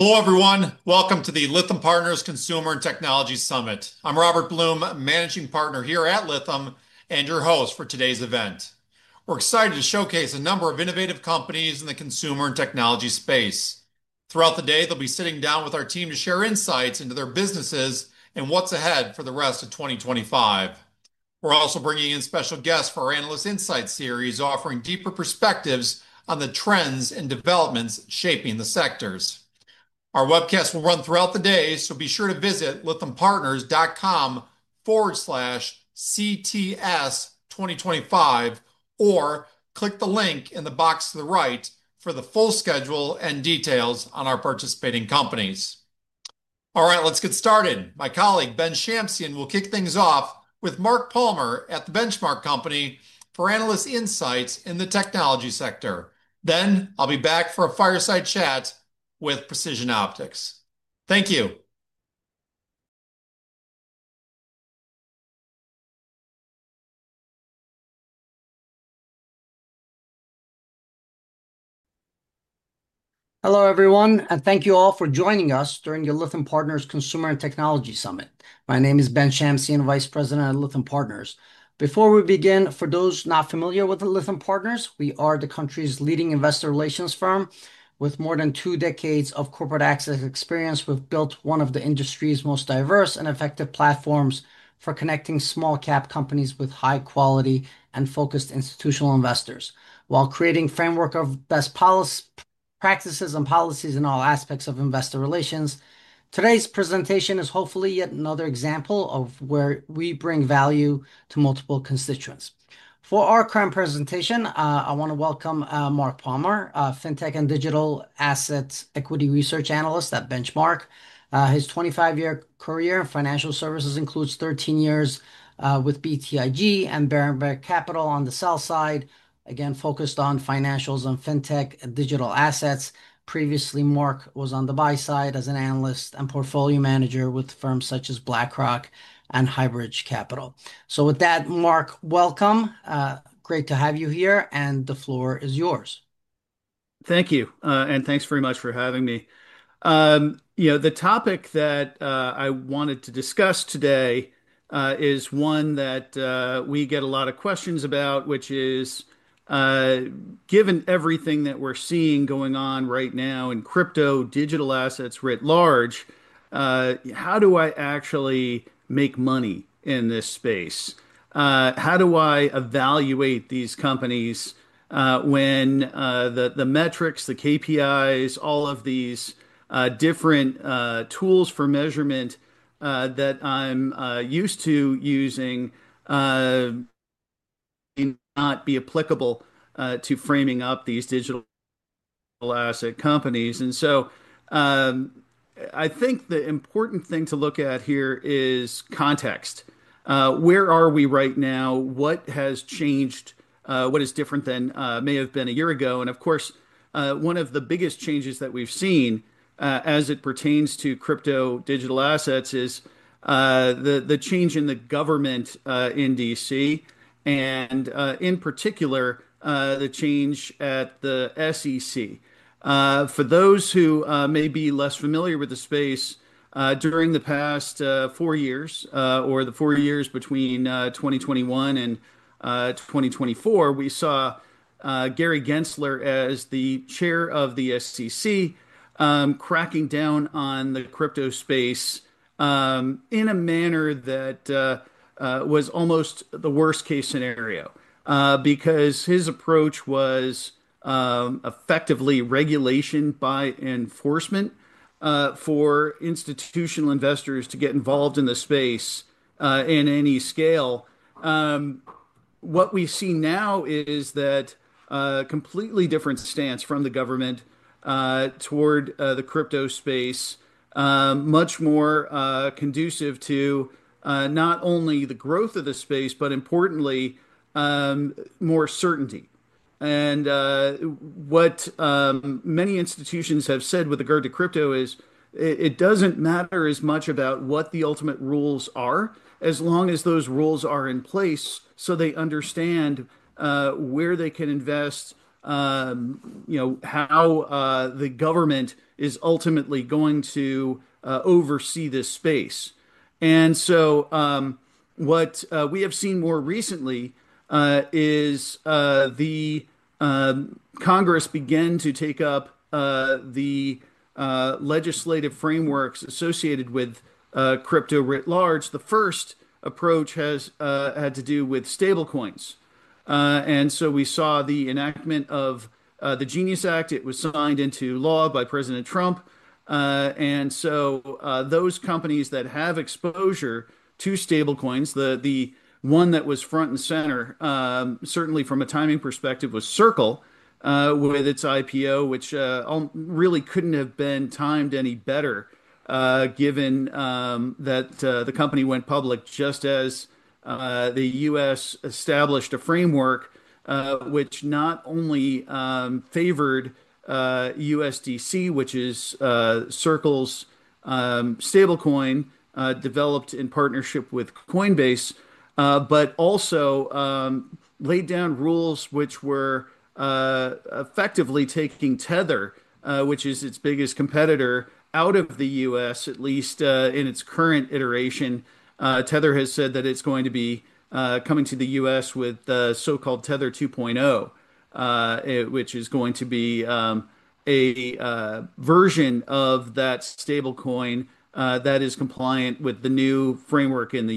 Hello, everyone. Welcome to the Lytham Partners Consumer and Technology Summit. I'm Robert Blum, a Managing Partner here at Lytham and your host for today's event. We're excited to showcase a number of innovative companies in the consumer and technology space. Throughout the day, they'll be sitting down with our team to share insights into their businesses and what's ahead for the rest of 2025. We're also bringing in special guests for our Analyst Insights series, offering deeper perspectives on the trends and developments shaping the sectors. Our webcast will run throughout the day, so be sure to visit lythampartners.com/cts2025 or click the link in the box to the right for the full schedule and details on our participating companies. All right, let's get started. My colleague Ben Shamsian will kick things off with Mark Palmer at The Benchmark Company for analyst insights in the technology sector. I'll be back for a fireside chat with Precision Optics. Thank you. Hello, everyone, and thank you all for joining us during the Lytham Partners Consumer and Technology Summit. My name is Ben Shamsian, Vice President at Lytham Partners. Before we begin, for those not familiar with Lytham Partners, we are the country's leading investor relations firm. With more than two decades of corporate access experience, we've built one of the industry's most diverse and effective platforms for connecting small-cap companies with high-quality and focused institutional investors. While creating a framework of best practices and policies in all aspects of investor relations, today's presentation is hopefully yet another example of where we bring value to multiple constituents. For our current presentation, I want to welcome Mark Palmer, Fintech and Digital Assets Equity Research Analyst at The Benchmark Company. His 25-year career in financial services includes 13 years with BTIG and Berenberg Capital on the sell side, again focused on financials and Fintech and digital assets. Previously, Mark was on the buy side as an analyst and portfolio manager with firms such as BlackRock and Highbridge Capital. Mark, welcome. Great to have you here, and the floor is yours. Thank you, and thanks very much for having me. The topic that I wanted to discuss today is one that we get a lot of questions about, which is, given everything that we're seeing going on right now in crypto digital assets writ large, how do I actually make money in this space? How do I evaluate these companies when the metrics, the KPIs, all of these different tools for measurement that I'm used to using may not be applicable to framing up these digital asset companies? I think the important thing to look at here is context. Where are we right now? What has changed? What is different than may have been a year ago? Of course, one of the biggest changes that we've seen as it pertains to crypto digital assets is the change in the government in D.C., and in particular, the change at the SEC. For those who may be less familiar with the space, during the past four years, or the four years between 2021 and 2024, we saw Gary Gensler as the Chair of the SEC cracking down on the crypto space in a manner that was almost the worst-case scenario because his approach was effectively regulation by enforcement for institutional investors to get involved in the space in any scale. What we see now is a completely different stance from the government toward the crypto space, much more conducive to not only the growth of the space, but importantly, more certainty. What many institutions have said with regard to crypto is it doesn't matter as much about what the ultimate rules are as long as those rules are in place so they understand where they can invest, how the government is ultimately going to oversee this space. What we have seen more recently is the Congress began to take up the legislative frameworks associated with crypto writ large. The first approach has had to do with stablecoins. We saw the enactment of the Genius Act. It was signed into law by President Trump. Those companies that have exposure to stablecoins, the one that was front and center, certainly from a timing perspective, was Circle with its IPO, which really couldn't have been timed any better given that the company went public just as the U.S. established a framework which not only favored USDC, which is Circle's stablecoin developed in partnership with Coinbase, but also laid down rules which were effectively taking Tether, which is its biggest competitor, out of the U.S., at least in its current iteration. Tether has said that it's going to be coming to the U.S. with the so-called Tether 2.0, which is going to be a version of that stablecoin that is compliant with the new framework in the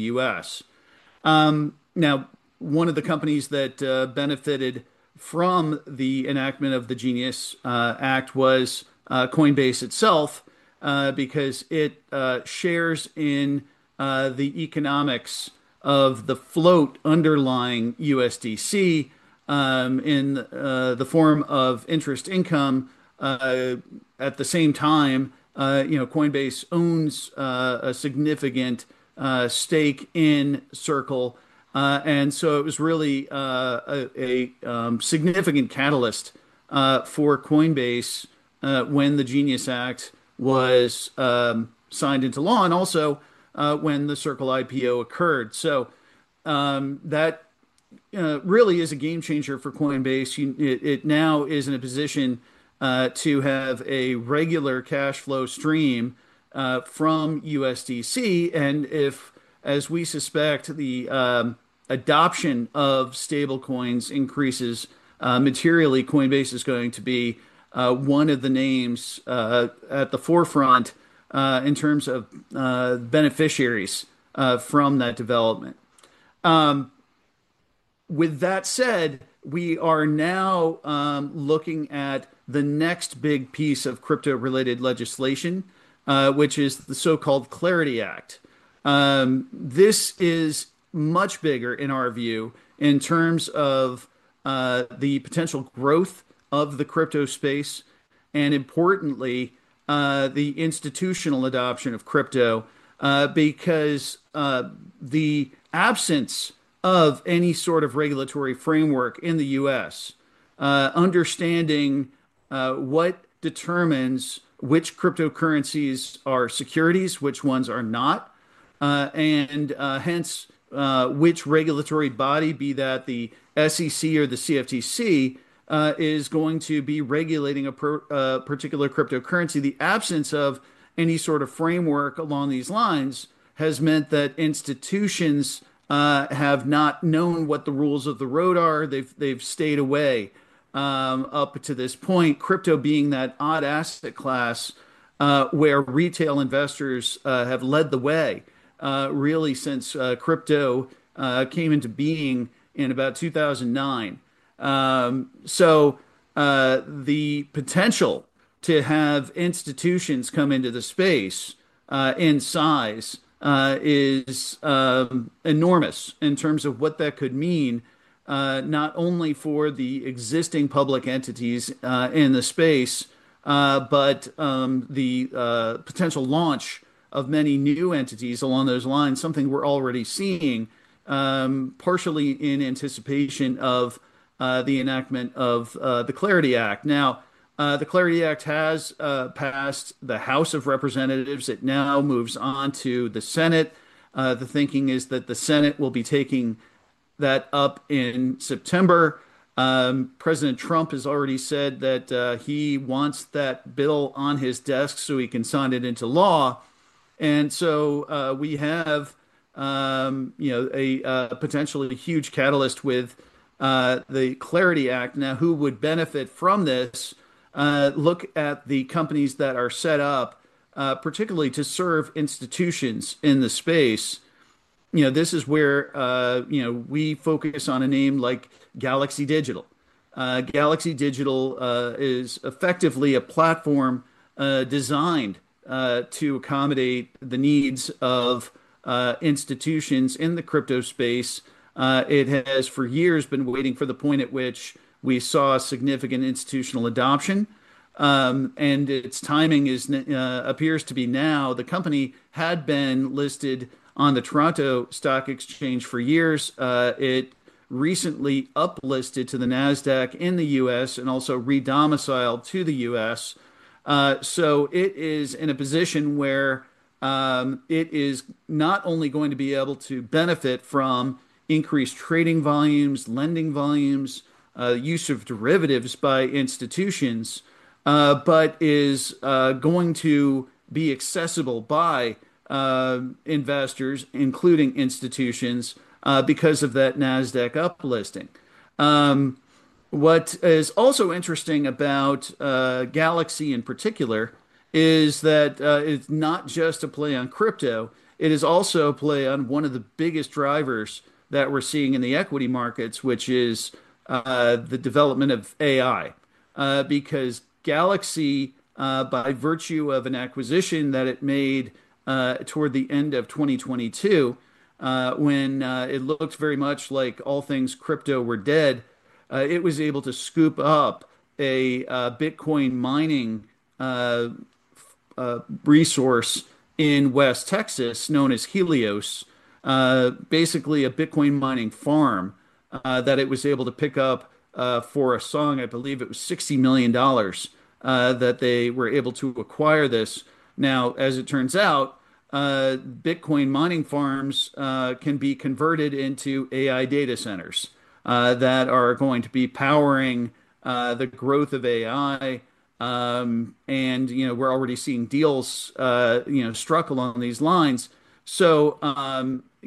U.S. One of the companies that benefited from the enactment of the Genius Act was Coinbase itself because it shares in the economics of the float underlying USDC in the form of interest income. At the same time, Coinbase owns a significant stake in Circle, and it was really a significant catalyst for Coinbase when the Genius Act was signed into law and also when the Circle IPO occurred. That really is a game changer for Coinbase. It now is in a position to have a regular cash flow stream from USDC. If, as we suspect, the adoption of stablecoins increases materially, Coinbase is going to be one of the names at the forefront in terms of beneficiaries from that development. With that said, we are now looking at the next big piece of crypto-related legislation, which is the so-called Clarity Act. This is much bigger in our view in terms of the potential growth of the crypto space and, importantly, the institutional adoption of crypto because the absence of any sort of regulatory framework in the U.S., understanding what determines which cryptocurrencies are securities, which ones are not, and hence which regulatory body, be that the SEC or the CFTC, is going to be regulating a particular cryptocurrency. The absence of any sort of framework along these lines has meant that institutions have not known what the rules of the road are. They've stayed away up to this point, crypto being that odd asset class where retail investors have led the way really since crypto came into being in about 2009. The potential to have institutions come into the space in size is enormous in terms of what that could mean not only for the existing public entities in the space, but the potential launch of many new entities along those lines, something we're already seeing partially in anticipation of the enactment of the Clarity Act. The Clarity Act has passed the House of Representatives. It now moves on to the Senate. The thinking is that the Senate will be taking that up in September. President Trump has already said that he wants that bill on his desk so he can sign it into law. We have a potentially huge catalyst with the Clarity Act. Who would benefit from this? Look at the companies that are set up particularly to serve institutions in the space. This is where we focus on a name like Galaxy Digital. Galaxy Digital is effectively a platform designed to accommodate the needs of institutions in the crypto space. It has, for years, been waiting for the point at which we saw significant institutional adoption, and its timing appears to be now. The company had been listed on the Toronto Stock Exchange for years. It recently uplisted to the NASDAQ in the U.S. and also re-domiciled to the U.S. It is in a position where it is not only going to be able to benefit from increased trading volumes, lending volumes, use of derivatives by institutions, but is going to be accessible by investors, including institutions, because of that NASDAQ uplisting. What is also interesting about Galaxy in particular is that it's not just a play on crypto. It is also a play on one of the biggest drivers that we're seeing in the equity markets, which is the development of AI. Galaxy, by virtue of an acquisition that it made toward the end of 2022, when it looked very much like all things crypto were dead, was able to scoop up a Bitcoin mining resource in West Texas known as Helios, basically a Bitcoin mining farm that it was able to pick up for a sum, I believe it was $60 million, that they were able to acquire this. Now, as it turns out, Bitcoin mining farms can be converted into AI data centers that are going to be powering the growth of AI. We're already seeing deals struck along these lines.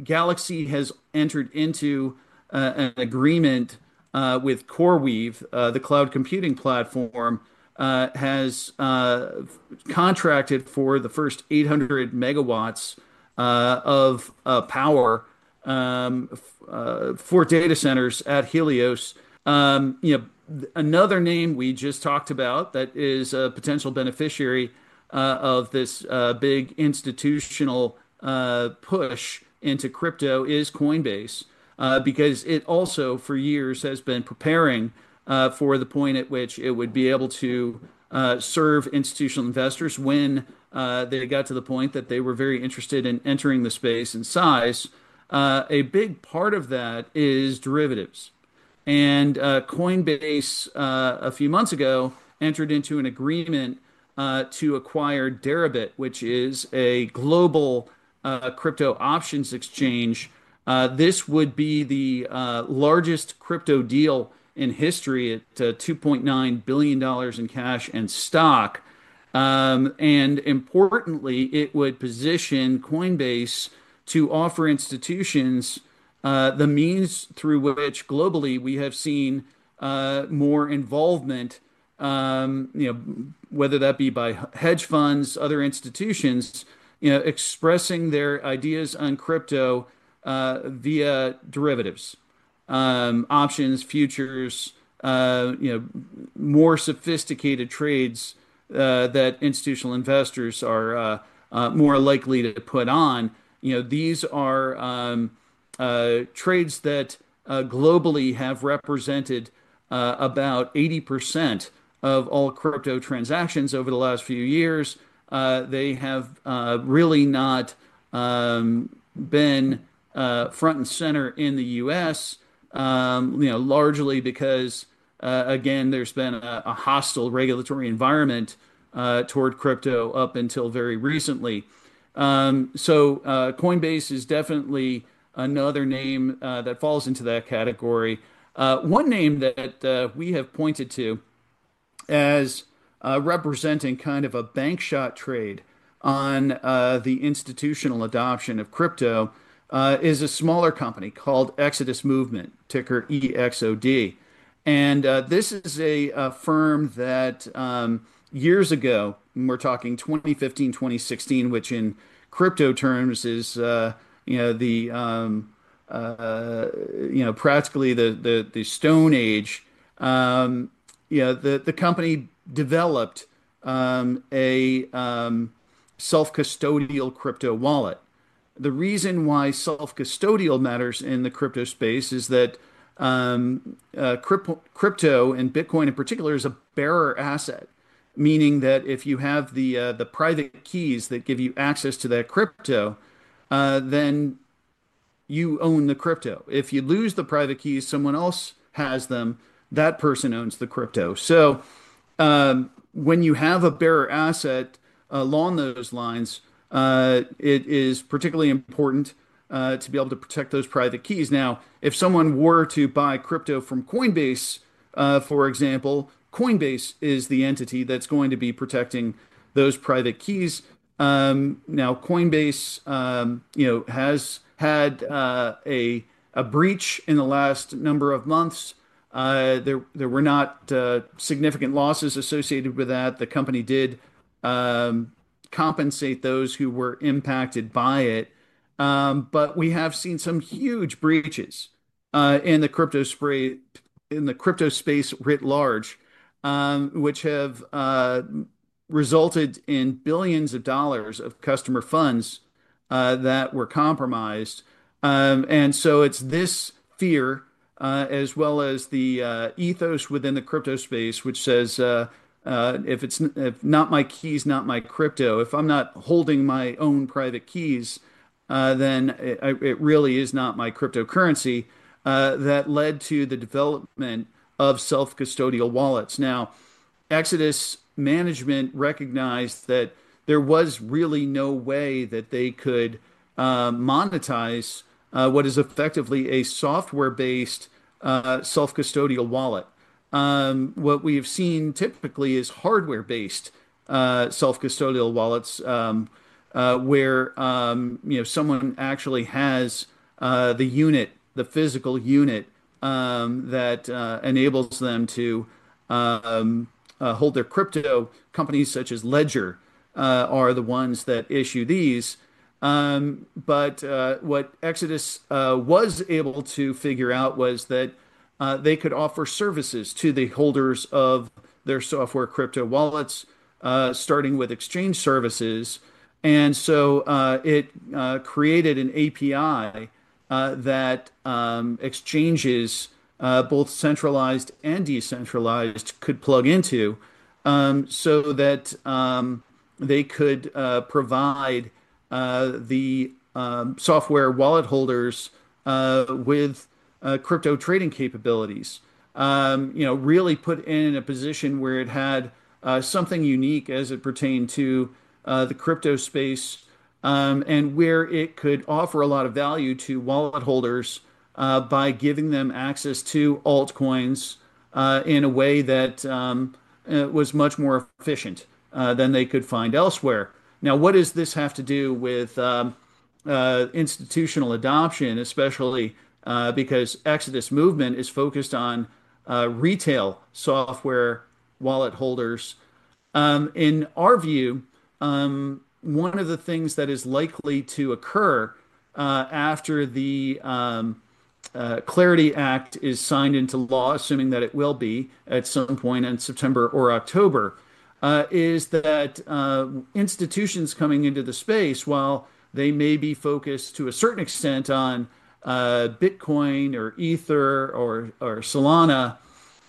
Galaxy has entered into an agreement with CoreWeave, the cloud computing platform, and has contracted for the first 800 MW of power for data centers at Helios. Another name we just talked about that is a potential beneficiary of this big institutional push into crypto is Coinbase because it also, for years, has been preparing for the point at which it would be able to serve institutional investors when they got to the point that they were very interested in entering the space in size. A big part of that is derivatives. Coinbase, a few months ago, entered into an agreement to acquire Deribit, which is a global crypto options exchange. This would be the largest crypto deal in history at $2.9 billion in cash and stock. Importantly, it would position Coinbase to offer institutions the means through which globally we have seen more involvement, whether that be by hedge funds, other institutions, expressing their ideas on crypto via derivatives, options, futures, more sophisticated trades that institutional investors are more likely to put on. These are trades that globally have represented about 80% of all crypto transactions over the last few years. They have really not been front and center in the U.S., largely because, again, there's been a hostile regulatory environment toward crypto up until very recently. Coinbase is definitely another name that falls into that category. One name that we have pointed to as representing kind of a bank shot trade on the institutional adoption of crypto is a smaller company called Exodus Movement, ticker EXOD. This is a firm that years ago, we're talking 2015, 2016, which in crypto terms is practically the Stone Age, the company developed a self-custodial crypto wallet. The reason why self-custodial matters in the crypto space is that crypto and Bitcoin in particular is a bearer asset, meaning that if you have the private keys that give you access to that crypto, then you own the crypto. If you lose the private keys, someone else has them. That person owns the crypto. When you have a bearer asset along those lines, it is particularly important to be able to protect those private keys. If someone were to buy crypto from Coinbase, for example, Coinbase is the entity that's going to be protecting those private keys. Coinbase has had a breach in the last number of months. There were not significant losses associated with that. The company did compensate those who were impacted by it. We have seen some huge breaches in the crypto space writ large, which have resulted in billions of dollars of customer funds that were compromised. It is this fear, as well as the ethos within the crypto space, which says, "If it's not my keys, not my crypto. If I'm not holding my own private keys, then it really is not my cryptocurrency," that led to the development of self-custodial wallets. Exodus Movement recognized that there was really no way that they could monetize what is effectively a software-based self-custodial wallet. What we have seen typically is hardware-based self-custodial wallets where someone actually has the unit, the physical unit that enables them to hold their crypto. Companies such as Ledger are the ones that issue these. What Exodus was able to figure out was that they could offer services to the holders of their software crypto wallets, starting with exchange services. It created an API that exchanges, both centralized and decentralized, could plug into so that they could provide the software wallet holders with crypto trading capabilities. Really put in a position where it had something unique as it pertained to the crypto space and where it could offer a lot of value to wallet holders by giving them access to altcoins in a way that was much more efficient than they could find elsewhere. Now, what does this have to do with institutional adoption, especially because Exodus Movement is focused on retail software wallet holders? In our view, one of the things that is likely to occur after the Clarity Act is signed into law, assuming that it will be at some point in September or October, is that institutions coming into the space, while they may be focused to a certain extent on Bitcoin or Ether or Solana,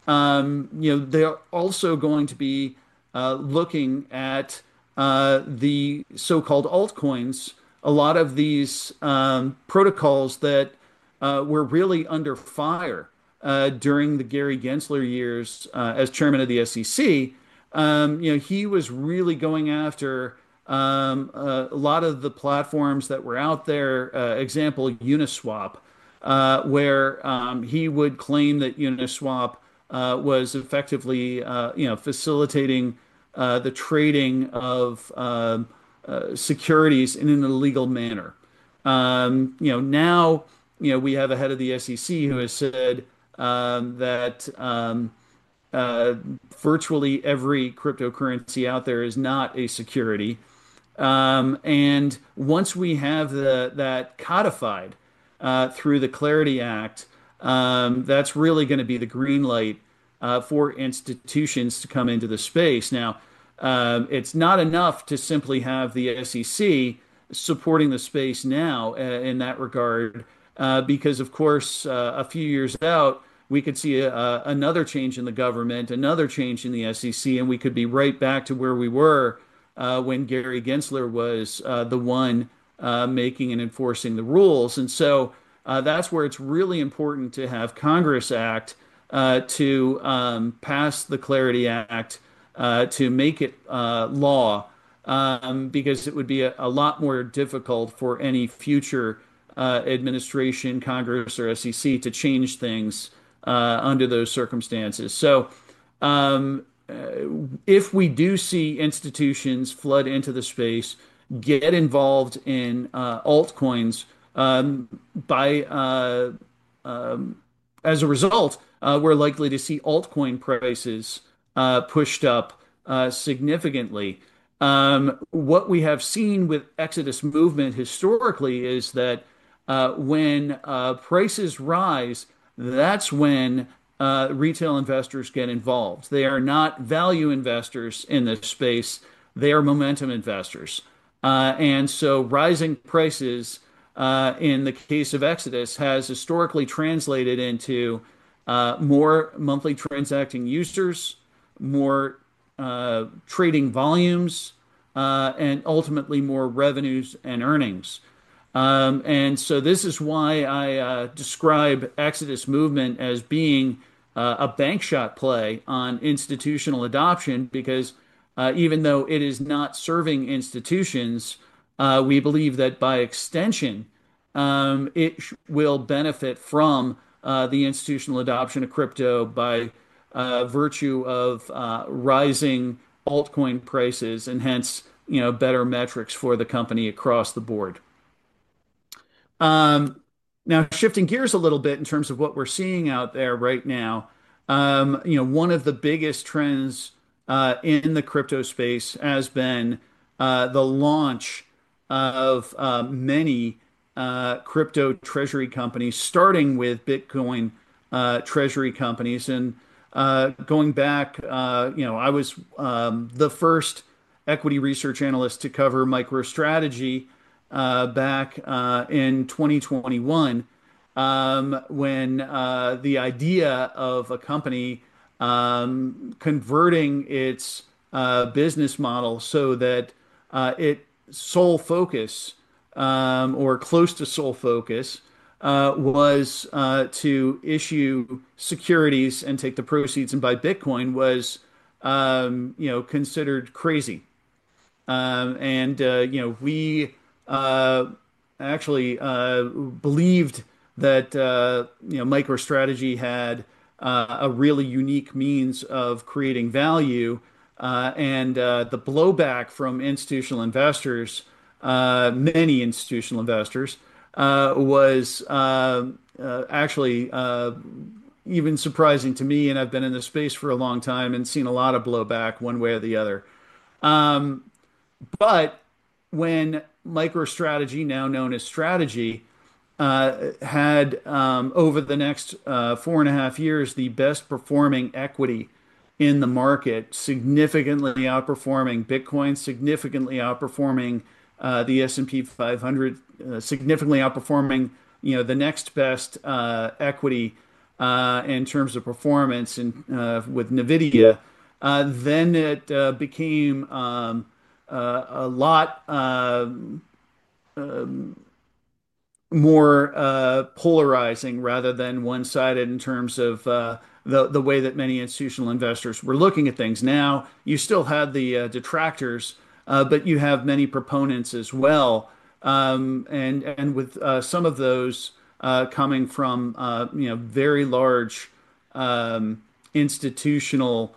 are also going to be looking at the so-called altcoins. A lot of these protocols that were really under fire during the Gary Gensler years as Chairman of the SEC, he was really going after a lot of the platforms that were out there, example Uniswap, where he would claim that Uniswap was effectively facilitating the trading of securities in an illegal manner. Now, we have a head of the SEC who has said that virtually every cryptocurrency out there is not a security. Once we have that codified through the Clarity Act, that's really going to be the green light for institutions to come into the space. It's not enough to simply have the SEC supporting the space now in that regard because, of course, a few years out, we could see another change in the government, another change in the SEC, and we could be right back to where we were when Gary Gensler was the one making and enforcing the rules. That's where it's really important to have Congress act to pass the Clarity Act to make it law because it would be a lot more difficult for any future administration, Congress, or SEC to change things under those circumstances. If we do see institutions flood into the space, get involved in altcoins, as a result, we're likely to see altcoin prices pushed up significantly. What we have seen with Exodus Movement historically is that when prices rise, that's when retail investors get involved. They are not value investors in this space. They are momentum investors, and so rising prices, in the case of Exodus, has historically translated into more monthly transacting users, more trading volumes, and ultimately more revenues and earnings. This is why I describe Exodus Movement as being a bank shot play on institutional adoption because even though it is not serving institutions, we believe that by extension, it will benefit from the institutional adoption of crypto by virtue of rising altcoin prices and hence better metrics for the company across the board. Now, shifting gears a little bit in terms of what we're seeing out there right now, one of the biggest trends in the crypto space has been the launch of many crypto treasury companies, starting with Bitcoin treasury companies. Going back, I was the first equity research analyst to cover MicroStrategy back in 2021 when the idea of a company converting its business model so that its sole focus, or close to sole focus, was to issue securities and take the proceeds and buy Bitcoin was considered crazy. We actually believed that MicroStrategy had a really unique means of creating value. The blowback from institutional investors, many institutional investors, was actually even surprising to me. I've been in this space for a long time and seen a lot of blowback one way or the other. When MicroStrategy, now known as Strategy, had over the next four and a half years the best performing equity in the market, significantly outperforming Bitcoin, significantly outperforming the S&P 500, significantly outperforming the next best equity in terms of performance with NVIDIA, it became a lot more polarizing rather than one-sided in terms of the way that many institutional investors were looking at things. You still have the detractors, but you have many proponents as well, with some of those coming from very large institutional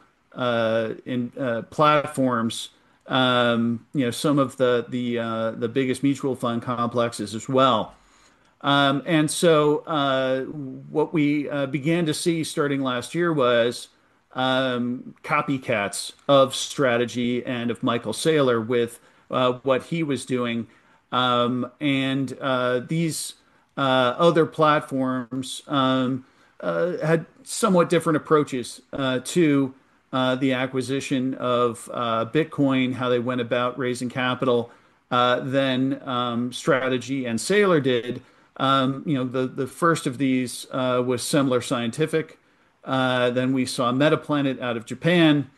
platforms, some of the biggest mutual fund complexes as well. What we began to see starting last year was copycats of Strategy and of Michael Saylor with what he was doing. These other platforms had somewhat different approaches to the acquisition of Bitcoin, how they went about raising capital than Strategy and Saylor did. The first of these was Semler Scientific. Then we saw Metaplanet out of Japan.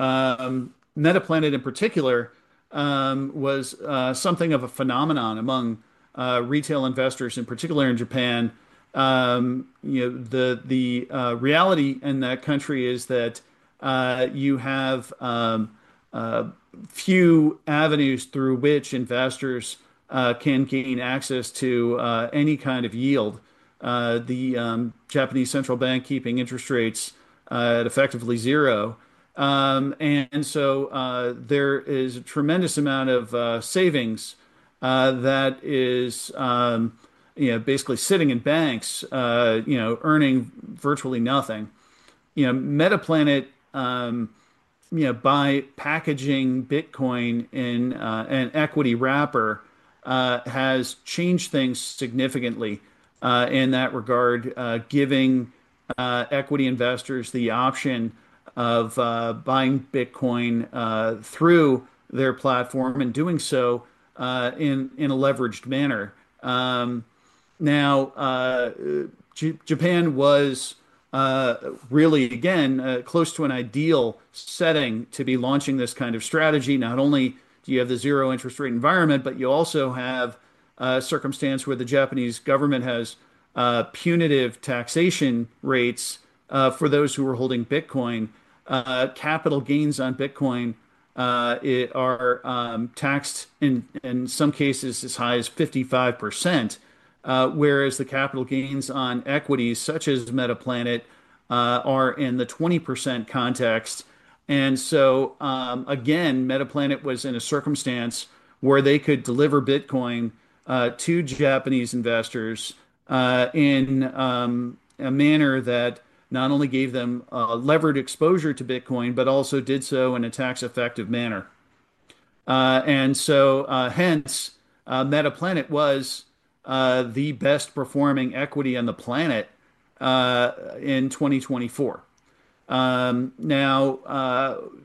Metaplanet in particular was something of a phenomenon among retail investors, in particular in Japan. The reality in that country is that you have few avenues through which investors can gain access to any kind of yield. The Japanese central bank keeping interest rates at effectively zero, and so there is a tremendous amount of savings that is basically sitting in banks earning virtually nothing. Metaplanet, by packaging Bitcoin in an equity wrapper, has changed things significantly in that regard, giving equity investors the option of buying Bitcoin through their platform and doing so in a leveraged manner. Japan was really, again, close to an ideal setting to be launching this kind of strategy. Not only do you have the zero interest rate environment, but you also have a circumstance where the Japanese government has punitive taxation rates for those who are holding Bitcoin. Capital gains on Bitcoin are taxed in some cases as high as 55%, whereas the capital gains on equities such as Metaplanet are in the 20% context. Metaplanet was in a circumstance where they could deliver Bitcoin to Japanese investors in a manner that not only gave them levered exposure to Bitcoin, but also did so in a tax-effective manner. Hence, Metaplanet was the best performing equity on the planet in 2024.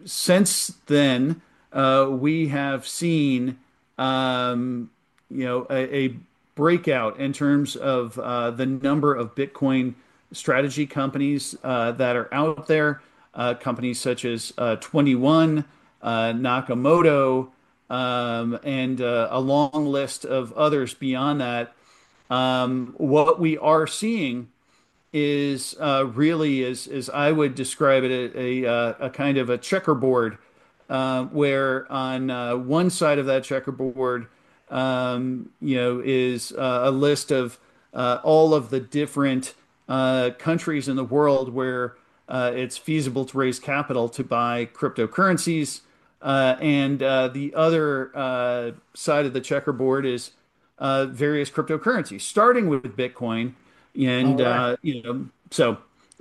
Since then, we have seen a breakout in terms of the number of Bitcoin strategy companies that are out there, companies such as 21, Nakamoto, and a long list of others beyond that. What we are seeing really is, as I would describe it, a kind of a checkerboard, where on one side of that checkerboard is a list of all of the different countries in the world where it's feasible to raise capital to buy cryptocurrencies. The other side of the checkerboard is various cryptocurrencies, starting with Bitcoin.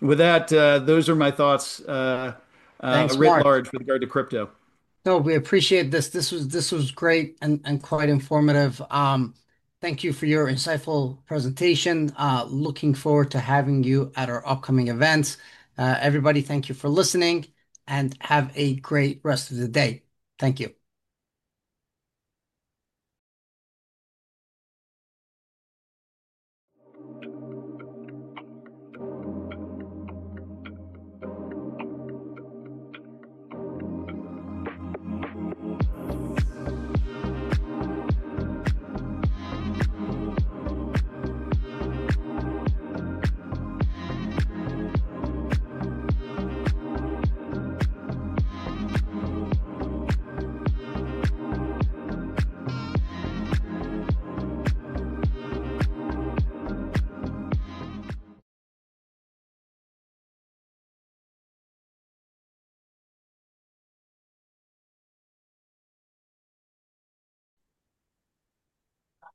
With that, those are my thoughts writ large with regard to crypto. We appreciate this. This was great and quite informative. Thank you for your insightful presentation. Looking forward to having you at our upcoming events. Everybody, thank you for listening and have a great rest of the day. Thank you.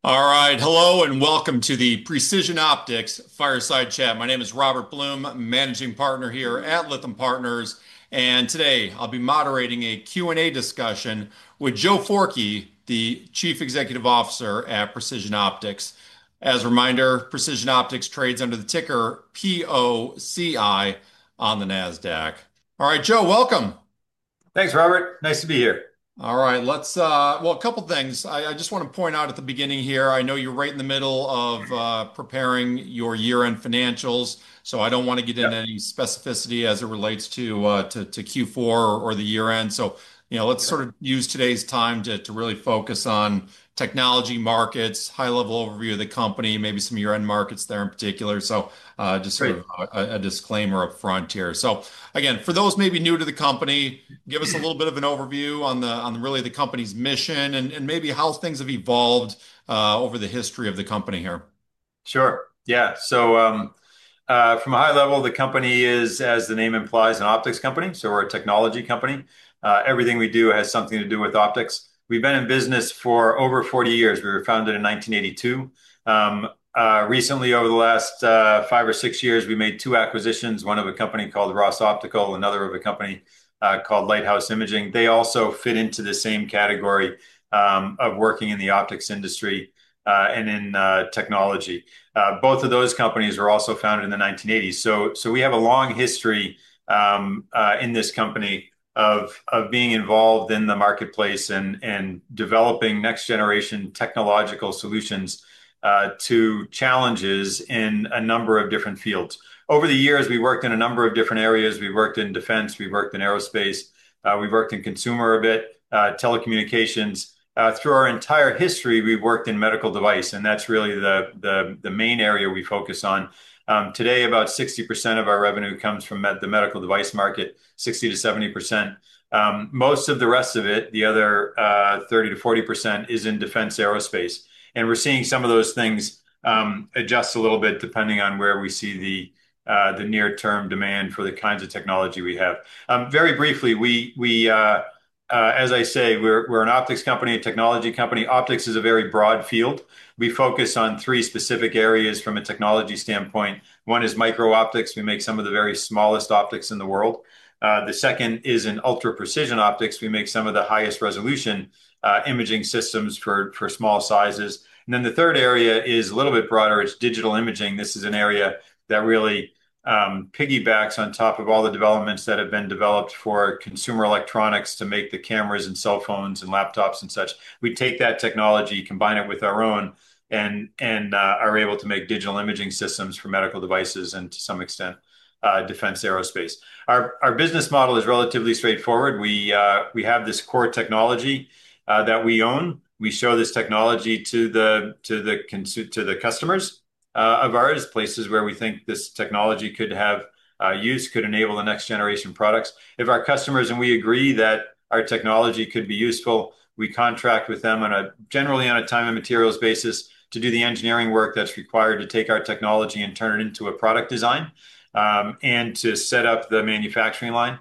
All right, hello and welcome to the Precision Optics fireside chat. My name is Robert Blum, Managing Partner here at Lytham Partners. Today I'll be moderating a Q&A discussion with Joe Forkey, the Chief Executive Officer at Precision Optics. As a reminder, Precision Optics trades under the ticker POCI on the NASDAQ. All right, Joe, welcome. Thanks, Robert. Nice to be here. All right, a couple of things. I just want to point out at the beginning here, I know you're right in the middle of preparing your year-end financials, so I don't want to get into any specificity as it relates to Q4 or the year-end. Let's use today's time to really focus on technology markets, high-level overview of the company, maybe some year-end markets there in particular. Just a disclaimer up front here. Again, for those maybe new to the company, give us a little bit of an overview on the company's mission and maybe how things have evolved over the history of the company here. Sure. Yeah. From a high level, the company is, as the name implies, an optics company. We're a technology company. Everything we do has something to do with optics. We've been in business for over 40 years. We were founded in 1982. Recently, over the last five or six years, we made two acquisitions, one of a company called Ross Optical, another of a company called Lighthouse Imaging. They also fit into the same category of working in the optics industry and in technology. Both of those companies were also founded in the 1980s. We have a long history in this company of being involved in the marketplace and developing next-generation technological solutions to challenges in a number of different fields. Over the years, we worked in a number of different areas. We worked in defense, we worked in aerospace, we worked in consumer a bit, telecommunications. Through our entire history, we've worked in medical device, and that's really the main area we focus on. Today, about 60% of our revenue comes from the medical device market, 60%-70%. Most of the rest of it, the other 30%-40%, is in defense aerospace. We're seeing some of those things adjust a little bit depending on where we see the near-term demand for the kinds of technology we have. Very briefly, as I say, we're an optics company, a technology company. Optics is a very broad field. We focus on three specific areas from a technology standpoint. One is microoptics. We make some of the very smallest optics in the world. The second is in ultra-precision optics. We make some of the highest resolution imaging systems for small sizes. The third area is a little bit broader. It's digital imaging. This is an area that really piggybacks on top of all the developments that have been developed for consumer electronics to make the cameras and cell phones and laptops and such. We take that technology, combine it with our own, and are able to make digital imaging systems for medical devices and, to some extent, defense aerospace. Our business model is relatively straightforward. We have this core technology that we own. We show this technology to the customers of ours, places where we think this technology could have use, could enable the next generation of products. If our customers and we agree that our technology could be useful, we contract with them generally on a time and materials basis to do the engineering work that's required to take our technology and turn it into a product design and to set up the manufacturing line.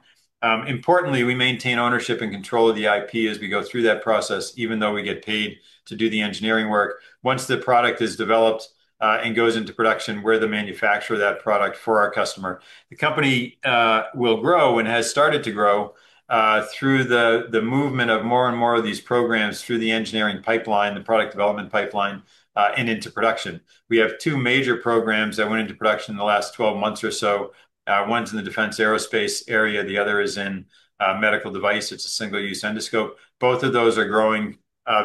Importantly, we maintain ownership and control of the IP as we go through that process, even though we get paid to do the engineering work. Once the product is developed and goes into production, we're the manufacturer of that product for our customer. The company will grow and has started to grow through the movement of more and more of these programs through the engineering pipeline, the product development pipeline, and into production. We have two major programs that went into production in the last 12 months or so. One's in the defense aerospace area. The other is in medical device. It's a single-use endoscope. Both of those are growing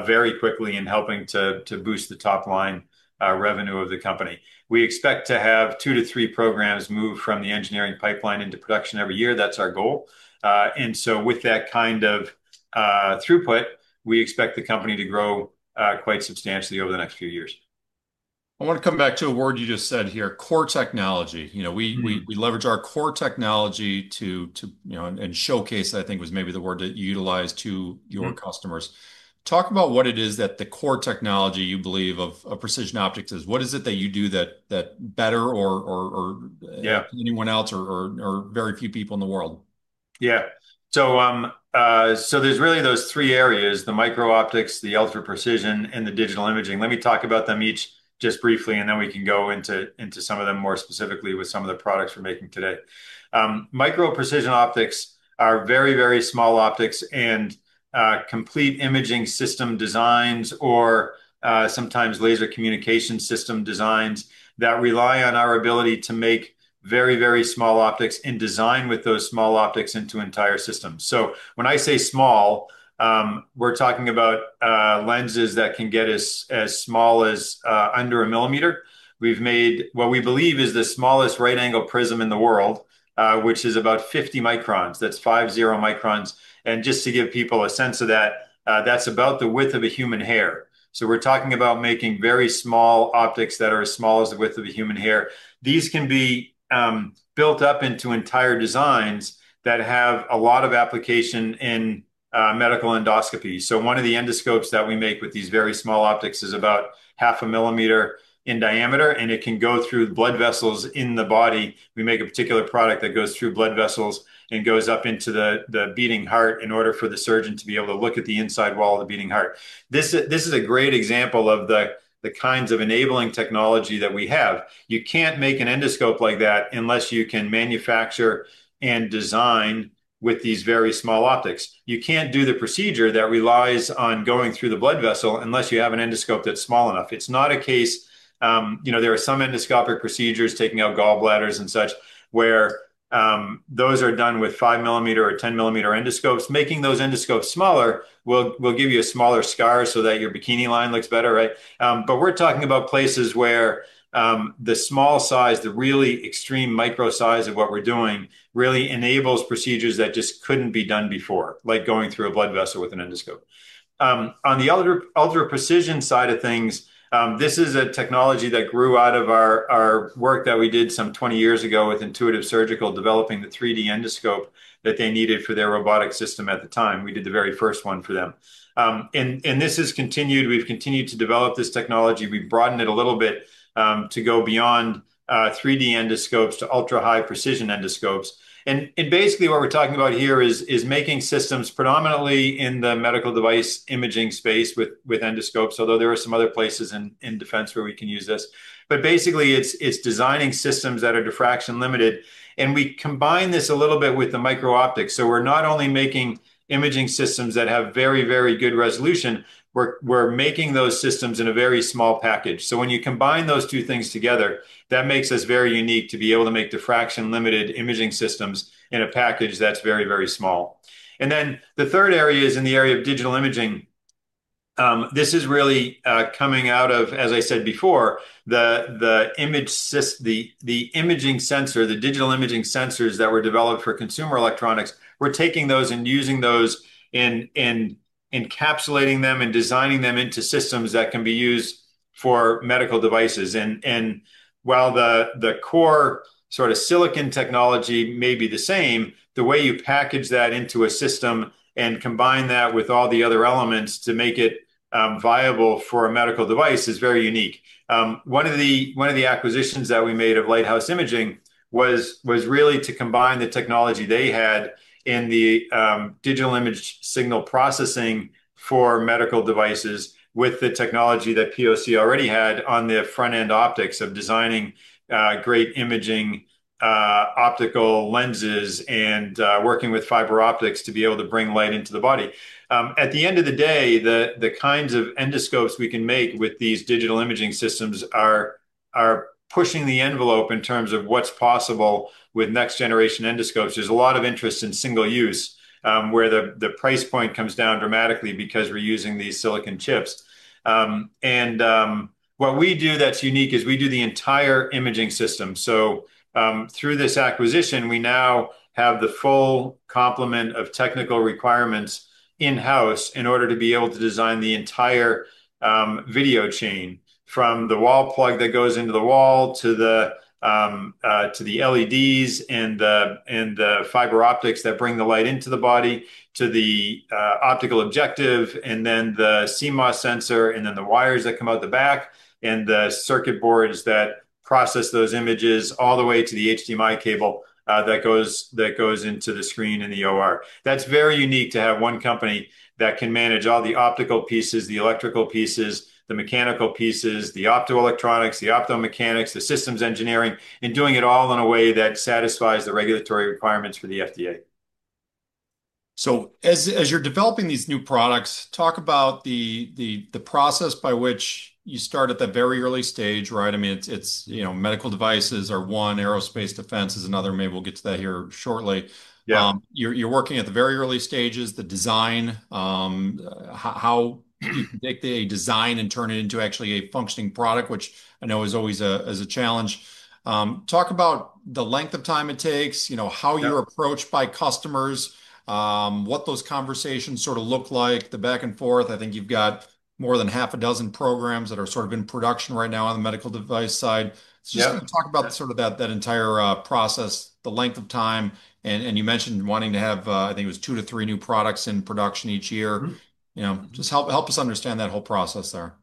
very quickly and helping to boost the top line revenue of the company. We expect to have two to three programs move from the engineering pipeline into production every year. That's our goal. With that kind of throughput, we expect the company to grow quite substantially over the next few years. I want to come back to a word you just said here, core technology. We leverage our core technology to showcase, I think was maybe the word that you utilized, to your customers. Talk about what it is that the core technology you believe of Precision Optics is. What is it that you do better than anyone else or very few people in the world? Yeah. So there's really those three areas: the microoptics, the ultra precision, and the digital imaging. Let me talk about them each just briefly, and then we can go into some of them more specifically with some of the products we're making today. Micro precision optics are very, very small optics and complete imaging system designs or sometimes laser communication system designs that rely on our ability to make very, very small optics and design with those small optics into entire systems. When I say small, we're talking about lenses that can get us as small as under a millimeter. We've made what we believe is the smallest right-angle prism in the world, which is about 50 microns. That's 5-0 microns. Just to give people a sense of that, that's about the width of a human hair. We're talking about making very small optics that are as small as the width of a human hair. These can be built up into entire designs that have a lot of application in medical endoscopy. One of the endoscopes that we make with these very small optics is about half a millimeter in diameter, and it can go through the blood vessels in the body. We make a particular product that goes through blood vessels and goes up into the beating heart in order for the surgeon to be able to look at the inside wall of the beating heart. This is a great example of the kinds of enabling technology that we have. You can't make an endoscope like that unless you can manufacture and design with these very small optics. You can't do the procedure that relies on going through the blood vessel unless you have an endoscope that's small enough. There are some endoscopic procedures taking out gallbladders and such where those are done with 5 mm or 10 mm endoscopes. Making those endoscopes smaller will give you a smaller scar so that your bikini line looks better, right? We're talking about places where the small size, the really extreme micro size of what we're doing really enables procedures that just couldn't be done before, like going through a blood vessel with an endoscope. On the ultra precision side of things, this is a technology that grew out of our work that we did some 20 years ago with Intuitive Surgical, developing the 3D endoscope that they needed for their robotic system at the time. We did the very first one for them. This has continued. We've continued to develop this technology. We've broadened it a little bit to go beyond 3D endoscopes to ultra high precision endoscopes. Basically, what we're talking about here is making systems predominantly in the medical device imaging space with endoscopes, although there are some other places in defense where we can use this. Basically, it's designing systems that are diffraction limited. We combine this a little bit with the microoptics. We're not only making imaging systems that have very, very good resolution, we're making those systems in a very small package. When you combine those two things together, that makes us very unique to be able to make diffraction limited imaging systems in a package that's very, very small. The third area is in the area of digital imaging. This is really coming out of, as I said before, the imaging sensor, the digital imaging sensors that were developed for consumer electronics. We're taking those and using those and encapsulating them and designing them into systems that can be used for medical devices. While the core sort of silicon technology may be the same, the way you package that into a system and combine that with all the other elements to make it viable for a medical device is very unique. One of the acquisitions that we made of Lighthouse Imaging was really to combine the technology they had in the digital image signal processing for medical devices with the technology that Precision Optics Corporation already had on the front-end optics of designing great imaging optical lenses and working with fiber optics to be able to bring light into the body. At the end of the day, the kinds of endoscopes we can make with these digital imaging systems are pushing the envelope in terms of what's possible with next-generation endoscopes. There's a lot of interest in single use, where the price point comes down dramatically because we're using these silicon chips. What we do that's unique is we do the entire imaging system. Through this acquisition, we now have the full complement of technical requirements in-house in order to be able to design the entire video chain from the wall plug that goes into the wall to the LEDs and the fiber optics that bring the light into the body to the optical objective and then the CMOS sensor and then the wires that come out the back and the circuit boards that process those images all the way to the HDMI cable that goes into the screen in the OR. That's very unique to have one company that can manage all the optical pieces, the electrical pieces, the mechanical pieces, the optoelectronics, the optomechanics, the systems engineering, and doing it all in a way that satisfies the regulatory requirements for the FDA. As you're developing these new products, talk about the process by which you start at the very early stage, right? I mean, medical devices are one, aerospace defense is another. Maybe we'll get to that here shortly. You're working at the very early stages, the design. How do you take the design and turn it into actually a functioning product, which I know is always a challenge? Talk about the length of time it takes, how you're approached by customers, what those conversations sort of look like, the back and forth. I think you've got more than half a dozen programs that are sort of in production right now on the medical device side. Just talk about that entire process, the length of time. You mentioned wanting to have, I think it was two to three new products in production each year. Help us understand that whole process there.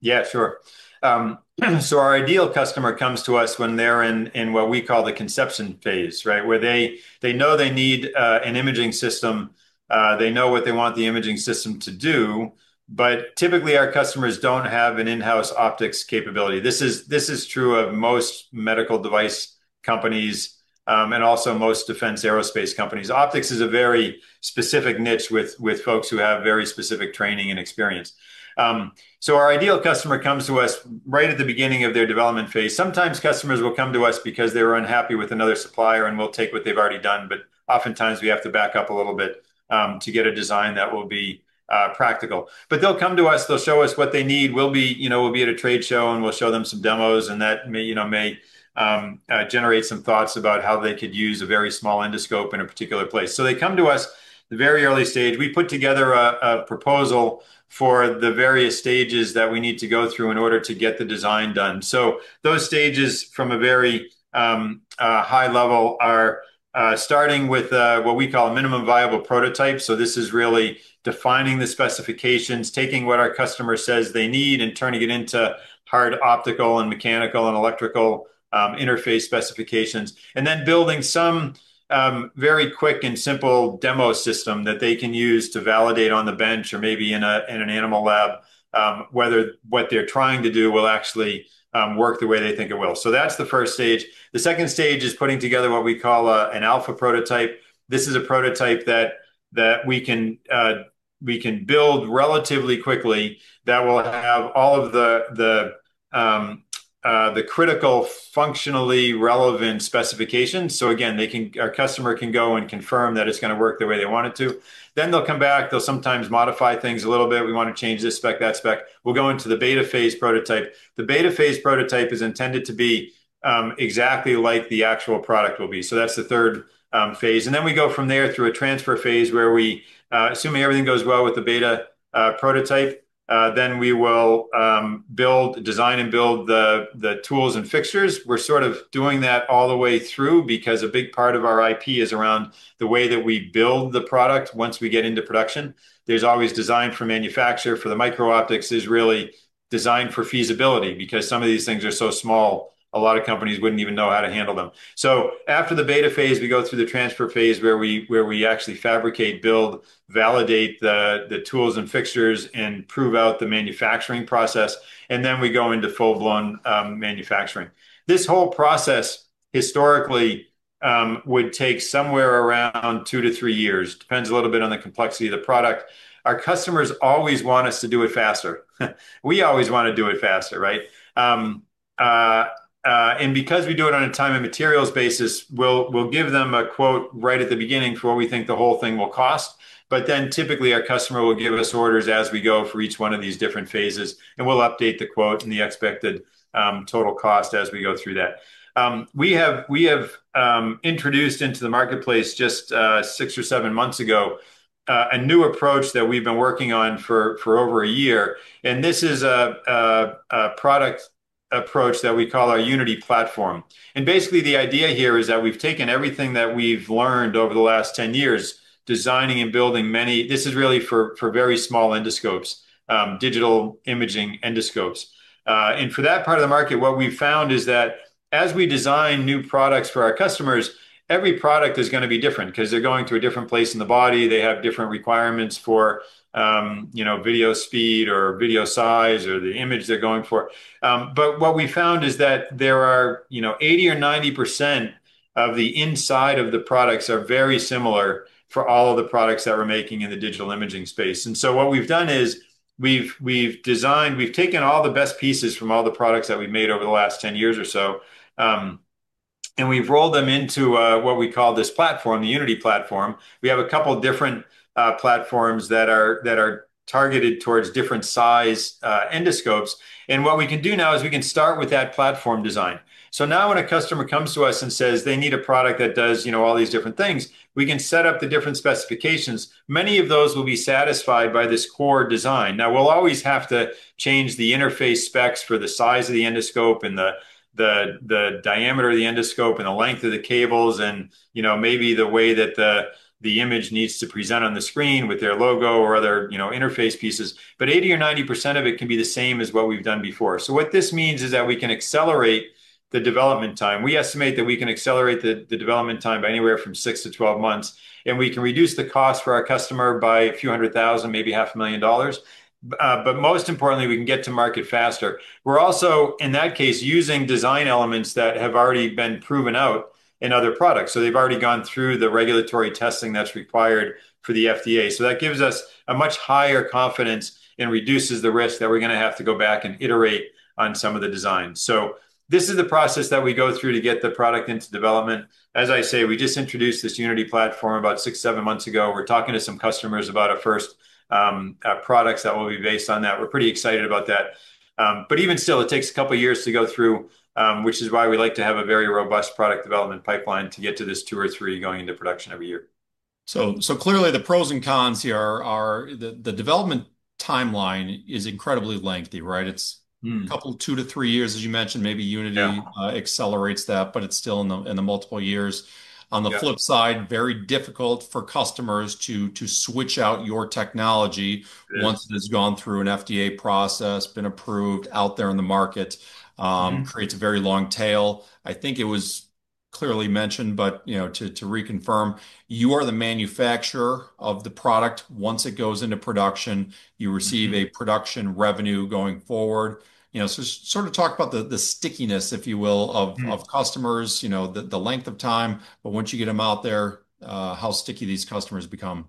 Yeah, sure. Our ideal customer comes to us when they're in what we call the conception phase, right? They know they need an imaging system. They know what they want the imaging system to do. Typically, our customers don't have an in-house optics capability. This is true of most medical device companies and also most defense aerospace companies. Optics is a very specific niche with folks who have very specific training and experience. Our ideal customer comes to us right at the beginning of their development phase. Sometimes customers will come to us because they were unhappy with another supplier, and we'll take what they've already done. Oftentimes, we have to back up a little bit to get a design that will be practical. They'll come to us, they'll show us what they need. We'll be at a trade show, and we'll show them some demos, and that may generate some thoughts about how they could use a very small endoscope in a particular place. They come to us at the very early stage. We put together a proposal for the various stages that we need to go through in order to get the design done. Those stages from a very high level are starting with what we call a minimum viable prototype. This is really defining the specifications, taking what our customer says they need, and turning it into hard optical and mechanical and electrical interface specifications, and then building some very quick and simple demo system that they can use to validate on the bench or maybe in an animal lab whether what they're trying to do will actually work the way they think it will. That's the first stage. The second stage is putting together what we call an alpha prototype. This is a prototype that we can build relatively quickly that will have all of the critical functionally relevant specifications. Again, our customer can go and confirm that it's going to work the way they want it to. They'll come back, they'll sometimes modify things a little bit. We want to change this spec, that spec. We go into the beta phase prototype. The beta phase prototype is intended to be exactly like the actual product will be. That's the third phase. We go from there through a transfer phase where we, assuming everything goes well with the beta prototype, then we will design and build the tools and fixtures. We're sort of doing that all the way through because a big part of our IP is around the way that we build the product once we get into production. There's always design for manufacture. For the microoptics, it's really design for feasibility because some of these things are so small, a lot of companies wouldn't even know how to handle them. After the beta phase, we go through the transfer phase where we actually fabricate, build, validate the tools and fixtures, and prove out the manufacturing process. We go into full-blown manufacturing. This whole process historically would take somewhere around two to three years. It depends a little bit on the complexity of the product. Our customers always want us to do it faster. We always want to do it faster, right? Because we do it on a time and materials basis, we'll give them a quote right at the beginning for what we think the whole thing will cost. Typically, our customer will give us orders as we go for each one of these different phases, and we'll update the quote and the expected total cost as we go through that. We have introduced into the marketplace just six or seven months ago a new approach that we've been working on for over a year. This is a product approach that we call our Unity Platform. Basically, the idea here is that we've taken everything that we've learned over the last 10 years, designing and building many. This is really for very small endoscopes, digital imaging endoscopes. For that part of the market, what we've found is that as we design new products for our customers, every product is going to be different because they're going to a different place in the body. They have different requirements for video speed or video size or the image they're going for. What we found is that 80% or 90% of the inside of the products are very similar for all of the products that we're making in the digital imaging space. What we've done is we've designed, we've taken all the best pieces from all the products that we've made over the last 10 years or so, and we've rolled them into what we call this platform, the Unity Platform. We have a couple of different platforms that are targeted towards different size endoscopes. What we can do now is we can start with that platform design. Now when a customer comes to us and says they need a product that does all these different things, we can set up the different specifications. Many of those will be satisfied by this core design. We'll always have to change the interface specs for the size of the endoscope, the diameter of the endoscope, the length of the cables, and maybe the way that the image needs to present on the screen with their logo or other interface pieces. 80% or 90% of it can be the same as what we've done before. What this means is that we can accelerate the development time. We estimate that we can accelerate the development time by anywhere from 6-12 months, and we can reduce the cost for our customer by a few hundred thousand, maybe $500,000. Most importantly, we can get to market faster. We're also, in that case, using design elements that have already been proven out in other products. They've already gone through the regulatory testing that's required for the FDA. That gives us a much higher confidence and reduces the risk that we're going to have to go back and iterate on some of the designs. This is the process that we go through to get the product into development. As I say, we just introduced this Unity Platform about six or seven months ago. We're talking to some customers about our first products that will be based on that. We're pretty excited about that. Even still, it takes a couple of years to go through, which is why we like to have a very robust product development pipeline to get to this two or three going into production every year. Clearly, the pros and cons here are the development timeline is incredibly lengthy, right? It's a couple of two to three years, as you mentioned. Maybe Unity accelerates that, but it's still in the multiple years. On the flip side, it's very difficult for customers to switch out your technology once it has gone through an FDA process, been approved, out there in the market. It creates a very long tail. I think it was clearly mentioned, but to reconfirm, you are the manufacturer of the product. Once it goes into production, you receive a production revenue going forward. Sort of talk about the stickiness, if you will, of customers, the length of time. Once you get them out there, how sticky these customers become.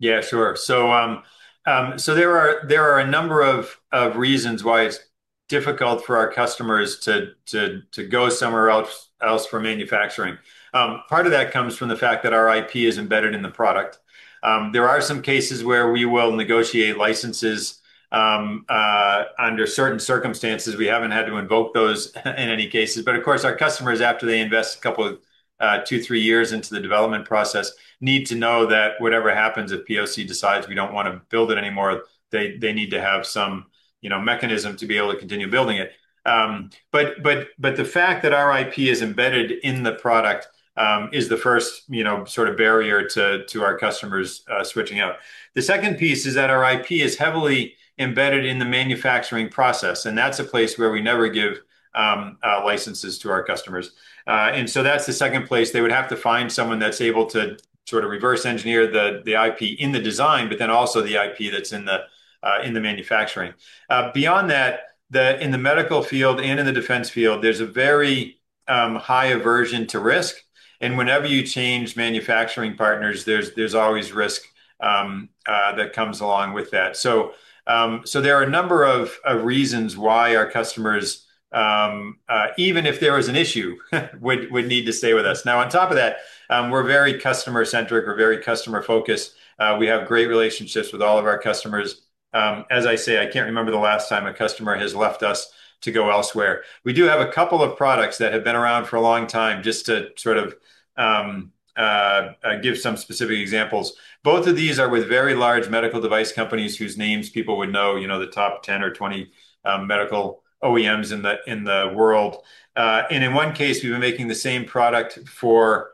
Yeah, sure. There are a number of reasons why it's difficult for our customers to go somewhere else for manufacturing. Part of that comes from the fact that our IP is embedded in the product. There are some cases where we will negotiate licenses. Under certain circumstances, we haven't had to invoke those in any cases. Of course, our customers, after they invest a couple of two, three years into the development process, need to know that whatever happens if POC decides we don't want to build it anymore, they need to have some mechanism to be able to continue building it. The fact that our IP is embedded in the product is the first sort of barrier to our customers switching out. The second piece is that our IP is heavily embedded in the manufacturing process. That's a place where we never give licenses to our customers. That's the second place. They would have to find someone that's able to sort of reverse engineer the IP in the design, but then also the IP that's in the manufacturing. Beyond that, in the medical field and in the defense field, there's a very high aversion to risk. Whenever you change manufacturing partners, there's always risk that comes along with that. There are a number of reasons why our customers, even if there was an issue, would need to stay with us. On top of that, we're very customer-centric. We're very customer-focused. We have great relationships with all of our customers. As I say, I can't remember the last time a customer has left us to go elsewhere. We do have a couple of products that have been around for a long time, just to sort of give some specific examples. Both of these are with very large medical device companies whose names people would know, the top 10 or 20 medical OEMs in the world. In one case, we've been making the same product for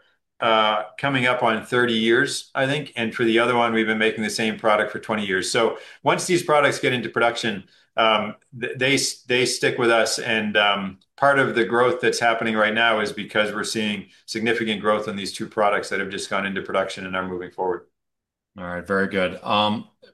coming up on 30 years, I think. For the other one, we've been making the same product for 20 years. Once these products get into production, they stick with us. Part of the growth that's happening right now is because we're seeing significant growth on these two products that have just gone into production and are moving forward. All right, very good.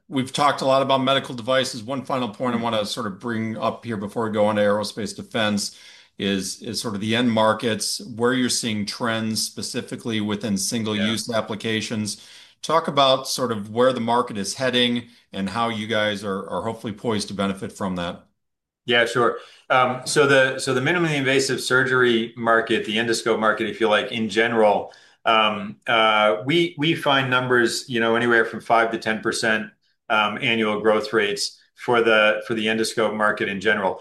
We've talked a lot about medical devices. One final point I want to bring up here before we go on to aerospace defense is the end markets, where you're seeing trends specifically within single-use applications. Talk about where the market is heading and how you guys are hopefully poised to benefit from that. Yeah, sure. The minimally invasive surgery market, the endoscope market, if you like, in general, we find numbers anywhere from 5%-10% annual growth rates for the endoscope market in general.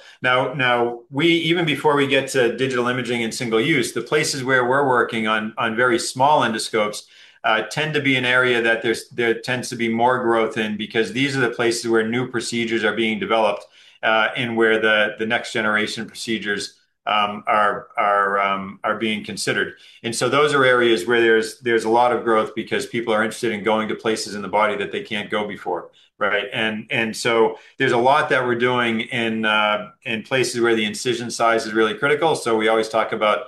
Even before we get to digital imaging and single use, the places where we're working on very small endoscopes tend to be an area that there tends to be more growth in because these are the places where new procedures are being developed and where the next generation procedures are being considered. Those are areas where there's a lot of growth because people are interested in going to places in the body that they can't go before, right? There's a lot that we're doing in places where the incision size is really critical. We always talk about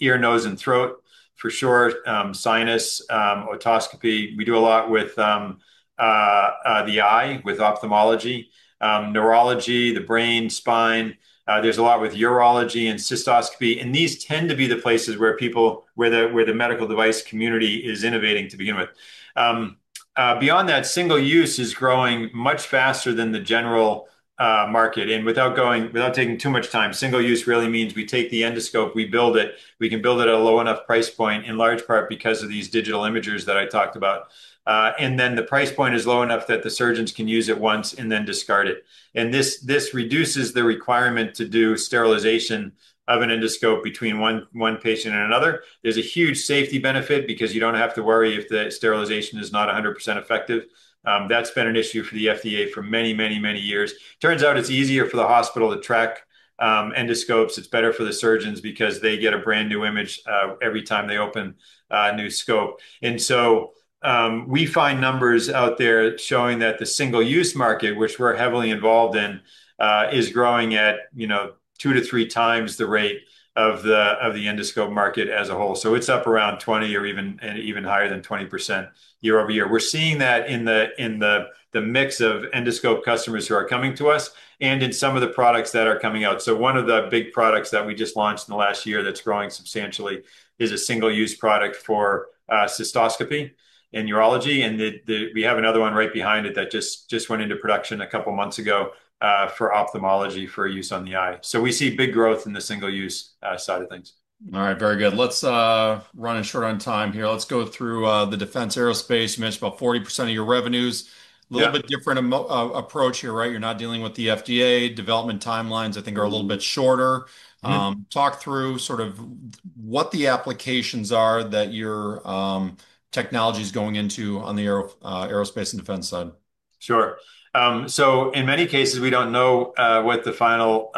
ear, nose, and throat for sure, sinus, otoscopy. We do a lot with the eye, with ophthalmology, neurology, the brain, spine. There's a lot with urology and cystoscopy. These tend to be the places where the medical device community is innovating to begin with. Beyond that, single use is growing much faster than the general market. Without taking too much time, single use really means we take the endoscope, we build it. We can build it at a low enough price point, in large part because of these digital imagers that I talked about. The price point is low enough that the surgeons can use it once and then discard it. This reduces the requirement to do sterilization of an endoscope between one patient and another. There's a huge safety benefit because you don't have to worry if the sterilization is not 100% effective. That's been an issue for the FDA for many, many, many years. It turns out it's easier for the hospital to track endoscopes. It's better for the surgeons because they get a brand new image every time they open a new scope. We find numbers out there showing that the single-use market, which we're heavily involved in, is growing at two to three times the rate of the endoscope market as a whole. It's up around 20% or even higher than 20% year-over-year. We're seeing that in the mix of endoscope customers who are coming to us and in some of the products that are coming out. One of the big products that we just launched in the last year that's growing substantially is a single-use product for cystoscopy and urology. We have another one right behind it that just went into production a couple of months ago for ophthalmology for use on the eye. We see big growth in the single-use side of things. All right, very good. Let's run short on time here. Let's go through the defense aerospace. You mentioned about 40% of your revenues. A little bit different approach here, right? You're not dealing with the FDA. Development timelines, I think, are a little bit shorter. Talk through sort of what the applications are that your technology is going into on the aerospace and defense side. Sure. In many cases, we don't know what the final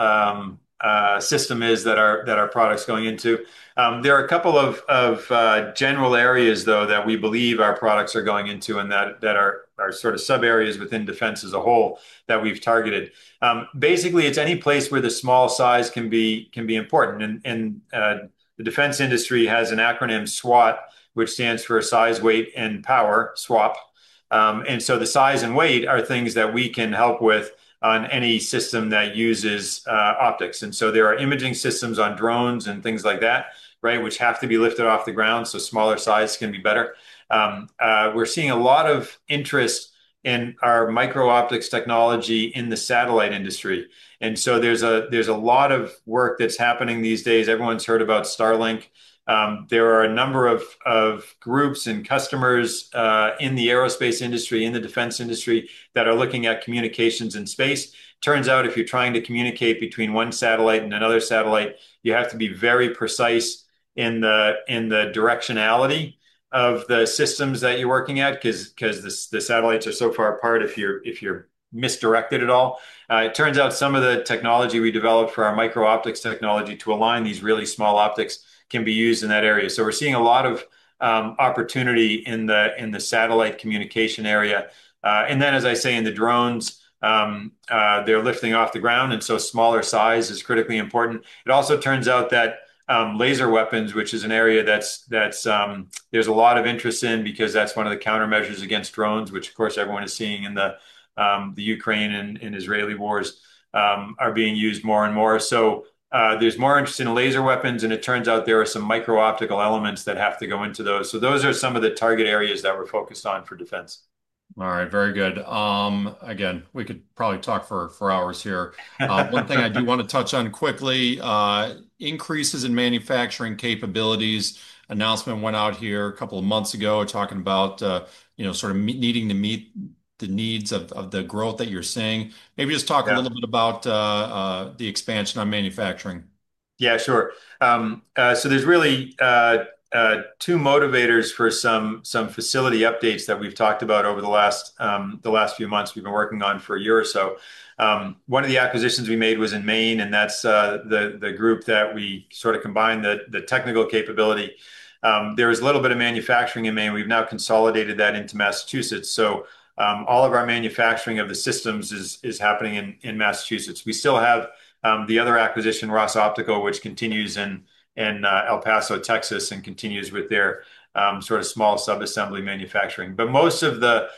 system is that our product's going into. There are a couple of general areas, though, that we believe our products are going into and that are sort of sub-areas within defense as a whole that we've targeted. Basically, it's any place where the small size can be important. The defense industry has an acronym, SWAP, which stands for Size, Weight, and Power. The size and weight are things that we can help with on any system that uses optics. There are imaging systems on drones and things like that, which have to be lifted off the ground, so smaller size can be better. We're seeing a lot of interest in our microoptics technology in the satellite industry. There's a lot of work that's happening these days. Everyone's heard about Starlink. There are a number of groups and customers in the aerospace industry, in the defense industry that are looking at communications in space. It turns out if you're trying to communicate between one satellite and another satellite, you have to be very precise in the directionality of the systems that you're working at because the satellites are so far apart if you're misdirected at all. It turns out some of the technology we developed for our microoptics technology to align these really small optics can be used in that area. We're seeing a lot of opportunity in the satellite communication area. In the drones, they're lifting off the ground, so smaller size is critically important. It also turns out that laser weapons, which is an area that there's a lot of interest in because that's one of the countermeasures against drones, which, of course, everyone is seeing in the Ukraine and Israeli wars, are being used more and more. There's more interest in laser weapons, and it turns out there are some microoptical elements that have to go into those. Those are some of the target areas that we're focused on for defense. All right, very good. We could probably talk for hours here. One thing I do want to touch on quickly is increases in manufacturing capabilities. An announcement went out here a couple of months ago talking about needing to meet the needs of the growth that you're seeing. Maybe just talk a little bit about the expansion on manufacturing. Yeah, sure. There are really two motivators for some facility updates that we've talked about over the last few months we've been working on for a year or so. One of the acquisitions we made was in Maine, and that's the group that we sort of combined the technical capability. There was a little bit of manufacturing in Maine. We've now consolidated that into Massachusetts. All of our manufacturing of the systems is happening in Massachusetts. We still have the other acquisition, Ross Optical, which continues in El Paso, Texas, and continues with their sort of small subassembly manufacturing. Most of the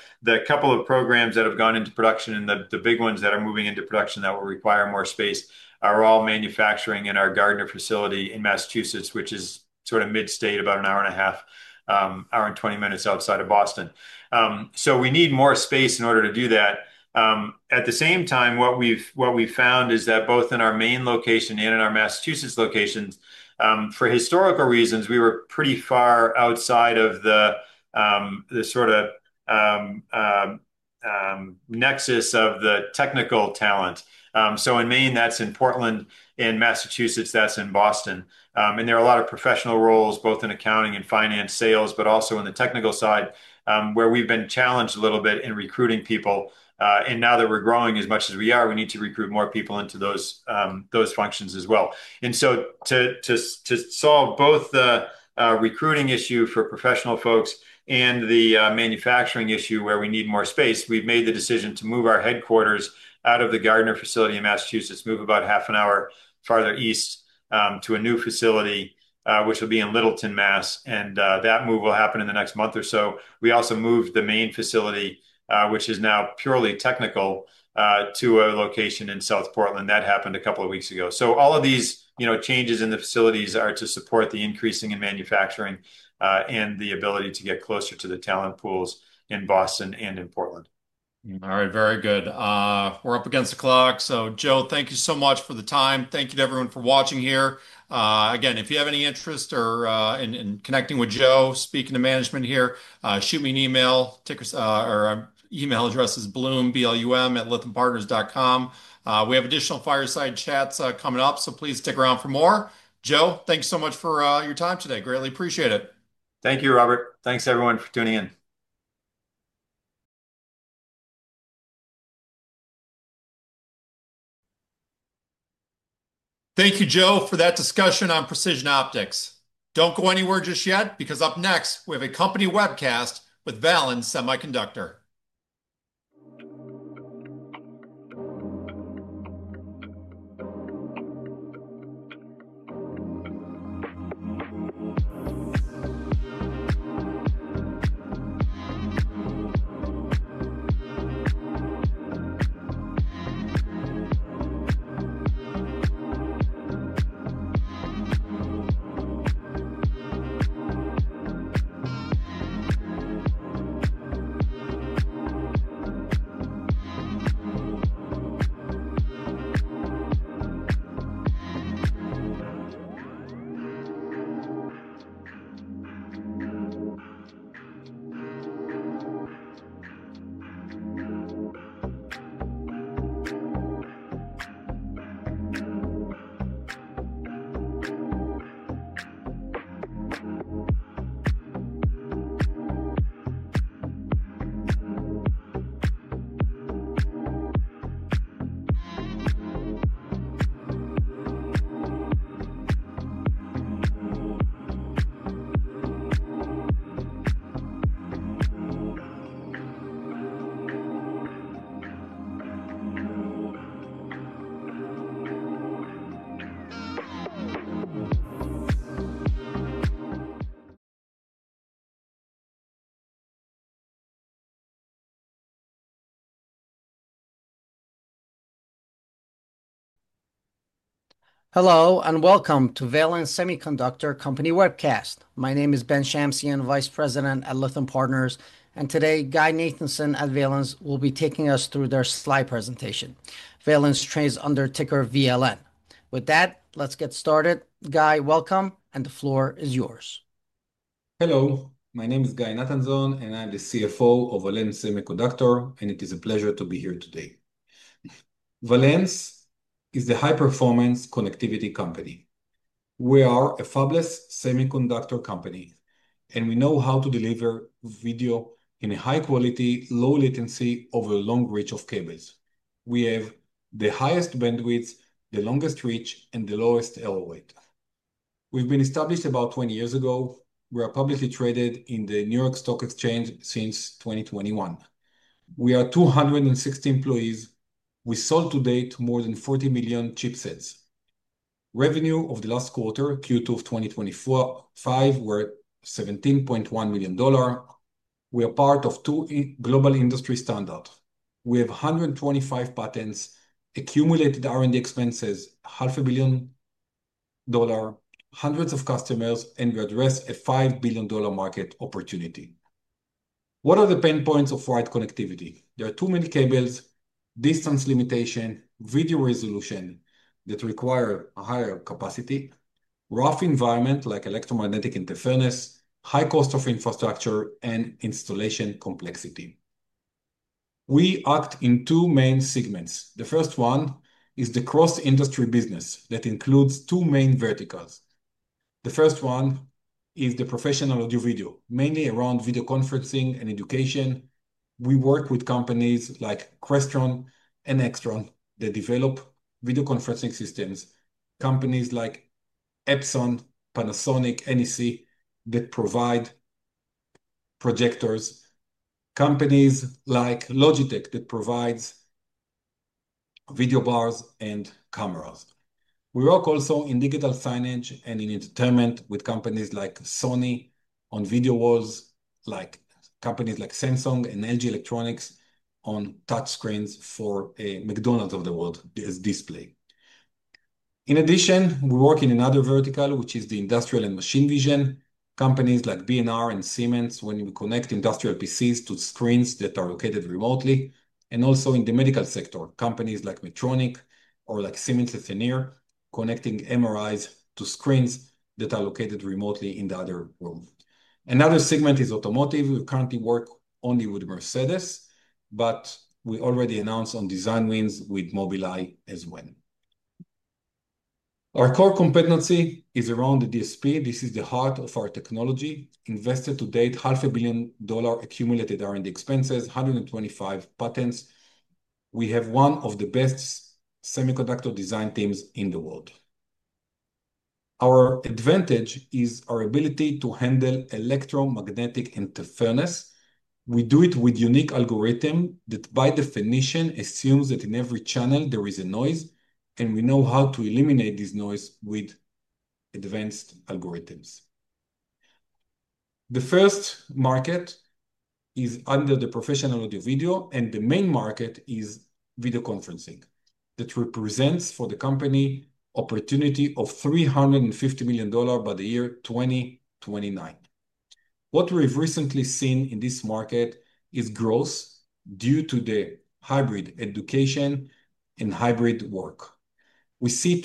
couple of programs that have gone into production and the big ones that are moving into production that will require more space are all manufacturing in our Gardner facility in Massachusetts, which is sort of mid-state, about an hour and a half, hour and 20 minutes outside of Boston. We need more space in order to do that. At the same time, what we've found is that both in our Maine location and in our Massachusetts locations, for historical reasons, we were pretty far outside of the sort of nexus of the technical talent. In Maine, that's in Portland; in Massachusetts, that's in Boston. There are a lot of professional roles, both in accounting and finance sales, but also on the technical side where we've been challenged a little bit in recruiting people. Now that we're growing as much as we are, we need to recruit more people into those functions as well. To solve both the recruiting issue for professional folks and the manufacturing issue where we need more space, we've made the decision to move our headquarters out of the Gardner facility in Massachusetts, move about half an hour farther east to a new facility, which will be in Littleton, Mass. That move will happen in the next month or so. We also moved the Maine facility, which is now purely technical, to a location in South Portland. That happened a couple of weeks ago. All of these changes in the facilities are to support the increasing in manufacturing and the ability to get closer to the talent pools in Boston and in Portland. All right, very good. We're up against the clock. Joe, thank you so much for the time. Thank you to everyone for watching here. If you have any interest in connecting with Joe, speaking to management here, shoot me an email. Our email address is blum@lythampartners.com. We have additional fireside chats coming up, so please stick around for more. Joe, thanks so much for your time today. Greatly appreciate it. Thank you, Robert. Thanks, everyone, for tuning in. Thank you, Joe, for that discussion on Precision Optics. Don't go anywhere just yet because up next, we have a company webcast with Valens Semiconductor. My name is Ben Shamsian, Vice President at Lytham Partners. And today, Guy Nathanszon at Valens will be taking us through their slide presentation. Valens trades under ticker VLN. With that, let's get started. Guy, welcome, and the floor is yours. Hello, my name is Guy Nathanzon, and I'm the CFO of Valens Semiconductor. It is a pleasure to be here today. Valens is the high-performance connectivity company. We are a fabless semiconductor company, and we know how to deliver video in a high quality, low latency over a long reach of cables. We have the highest bandwidth, the longest reach, and the lowest LOA. We've been established about 20 years ago. We are publicly traded in the New York Stock Exchange since 2021. We are 260 employees. We sold to date more than 40 million chipsets. Revenue of the last quarter, Q2 of 2025, were $17.1 million. We are part of two global industry standards. We have 125 patents, accumulated R&D expenses, half a billion dollars, hundreds of customers, and we address a $5 billion market opportunity. What are the pain points of right connectivity? There are too many cables, distance limitation, video resolution that require a higher capacity, rough environment like electromagnetic interference, high cost of infrastructure, and installation complexity. We act in two main segments. The first one is the cross-industry business that includes two main verticals. The first one is the professional audio video, mainly around video conferencing and education. We work with companies like Crestron and Extron that develop video conferencing systems, companies like Epson, Panasonic, NEC that provide projectors, companies like Logitech that provide video bars and cameras. We work also in digital signage and in entertainment with companies like Sony on video walls, companies like Samsung and LG Electronics on touch screens for a McDonald's of the world display. In addition, we work in another vertical, which is the industrial and machine vision, companies like B&R and Siemens, when we connect industrial PCs to screens that are located remotely, and also in the medical sector, companies like Medtronic or like Siemens Sennheiser, connecting MRIs to screens that are located remotely in the other room. Another segment is automotive. We currently work only with Mercedes, but we already announced on design wins with Mobileye as well. Our core competency is around the DSP. This is the heart of our technology. Invested to date, half a billion dollars accumulated R&D expenses, 125 patents. We have one of the best semiconductor design teams in the world. Our advantage is our ability to handle electromagnetic interference. We do it with a unique algorithm that, by definition, assumes that in every channel there is a noise, and we know how to eliminate this noise with advanced algorithms. The first market is under the professional audio video, and the main market is video conferencing that represents for the company an opportunity of $350 million by the year 2029. What we've recently seen in this market is growth due to the hybrid education and hybrid work. We see.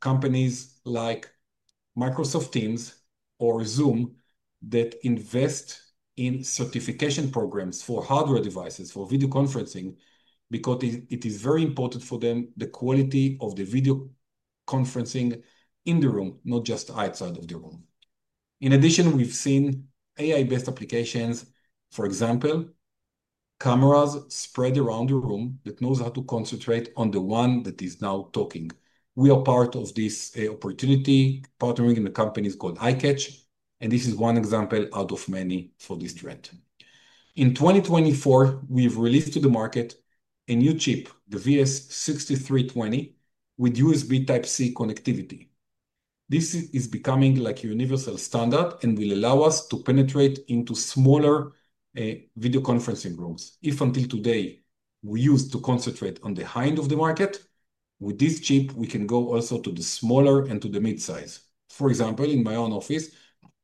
Companies like Microsoft Teams or Zoom invest in certification programs for hardware devices for video conferencing because it is very important for them, the quality of the video conferencing in the room, not just outside of the room. In addition, we've seen AI-based applications, for example, cameras spread around the room that know how to concentrate on the one that is now talking. We are part of this opportunity, partnering in the companies called iCatch, and this is one example out of many for this trend. In 2024, we've released to the market a new chip, the VS6320, with USB Type-C connectivity. This is becoming like a universal standard and will allow us to penetrate into smaller video conferencing rooms. If until today we used to concentrate on the high end of the market, with this chip we can go also to the smaller and to the mid-size. For example, in my own office,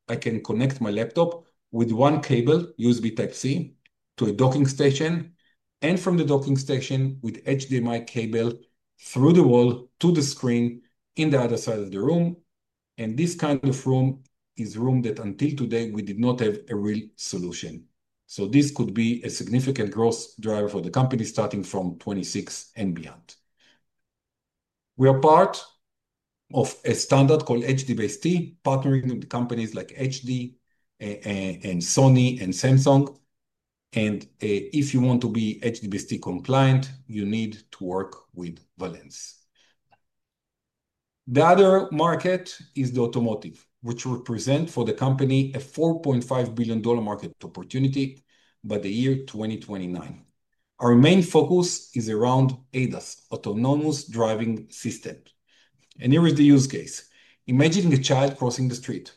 I can connect my laptop with one cable, USB Type-C, to a docking station, and from the docking station with HDMI cable through the wall to the screen in the other side of the room. This kind of room is a room that until today we did not have a real solution. This could be a significant growth driver for the company starting from 2026 and beyond. We are part of a standard called HDBaseT, partnering with companies like HD and Sony and Samsung. If you want to be HDBaseT compliant, you need to work with Valens. The other market is the automotive, which will present for the company a $4.5 billion market opportunity by the year 2029. Our main focus is around ADAS, Autonomous Driving System. Here is the use case. Imagine a child crossing the street.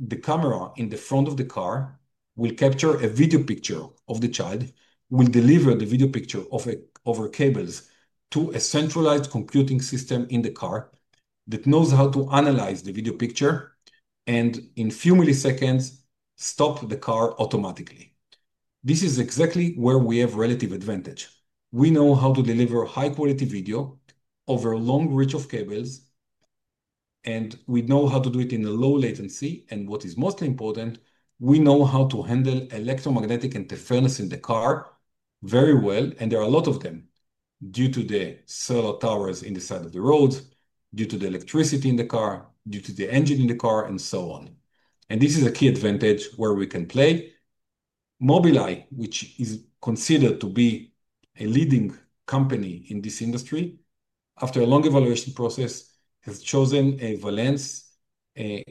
The camera in the front of the car will capture a video picture of the child, will deliver the video picture over cables to a centralized computing system in the car that knows how to analyze the video picture and in a few milliseconds stop the car automatically. This is exactly where we have relative advantage. We know how to deliver high-quality video over a long reach of cables, and we know how to do it in a low latency. What is most important, we know how to handle electromagnetic interference in the car very well. There are a lot of them due to the solar towers in the side of the roads, due to the electricity in the car, due to the engine in the car, and so on. This is a key advantage where we can play. Mobileye, which is considered to be a leading company in this industry, after a long evaluation process, has chosen Valens Semiconductor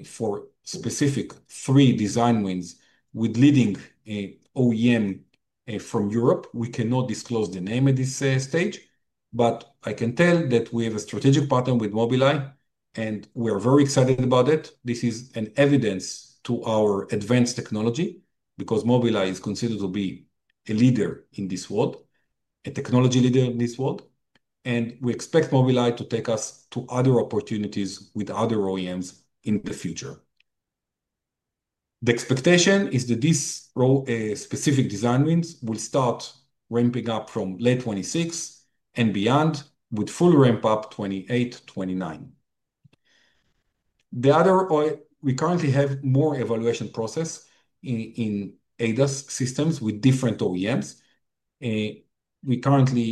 for specific three design wins with a leading OEM from Europe. We cannot disclose the name at this stage, but I can tell that we have a strategic partner with Mobileye, and we are very excited about it. This is evidence to our advanced technology because Mobileye is considered to be a leader in this world, a technology leader in this world. We expect Mobileye to take us to other opportunities with other OEMs in the future. The expectation is that these specific design wins will start ramping up from late 2026 and beyond, with full ramp-up in 2028, 2029. We currently have a more evaluation process in ADAS systems with different OEMs. We currently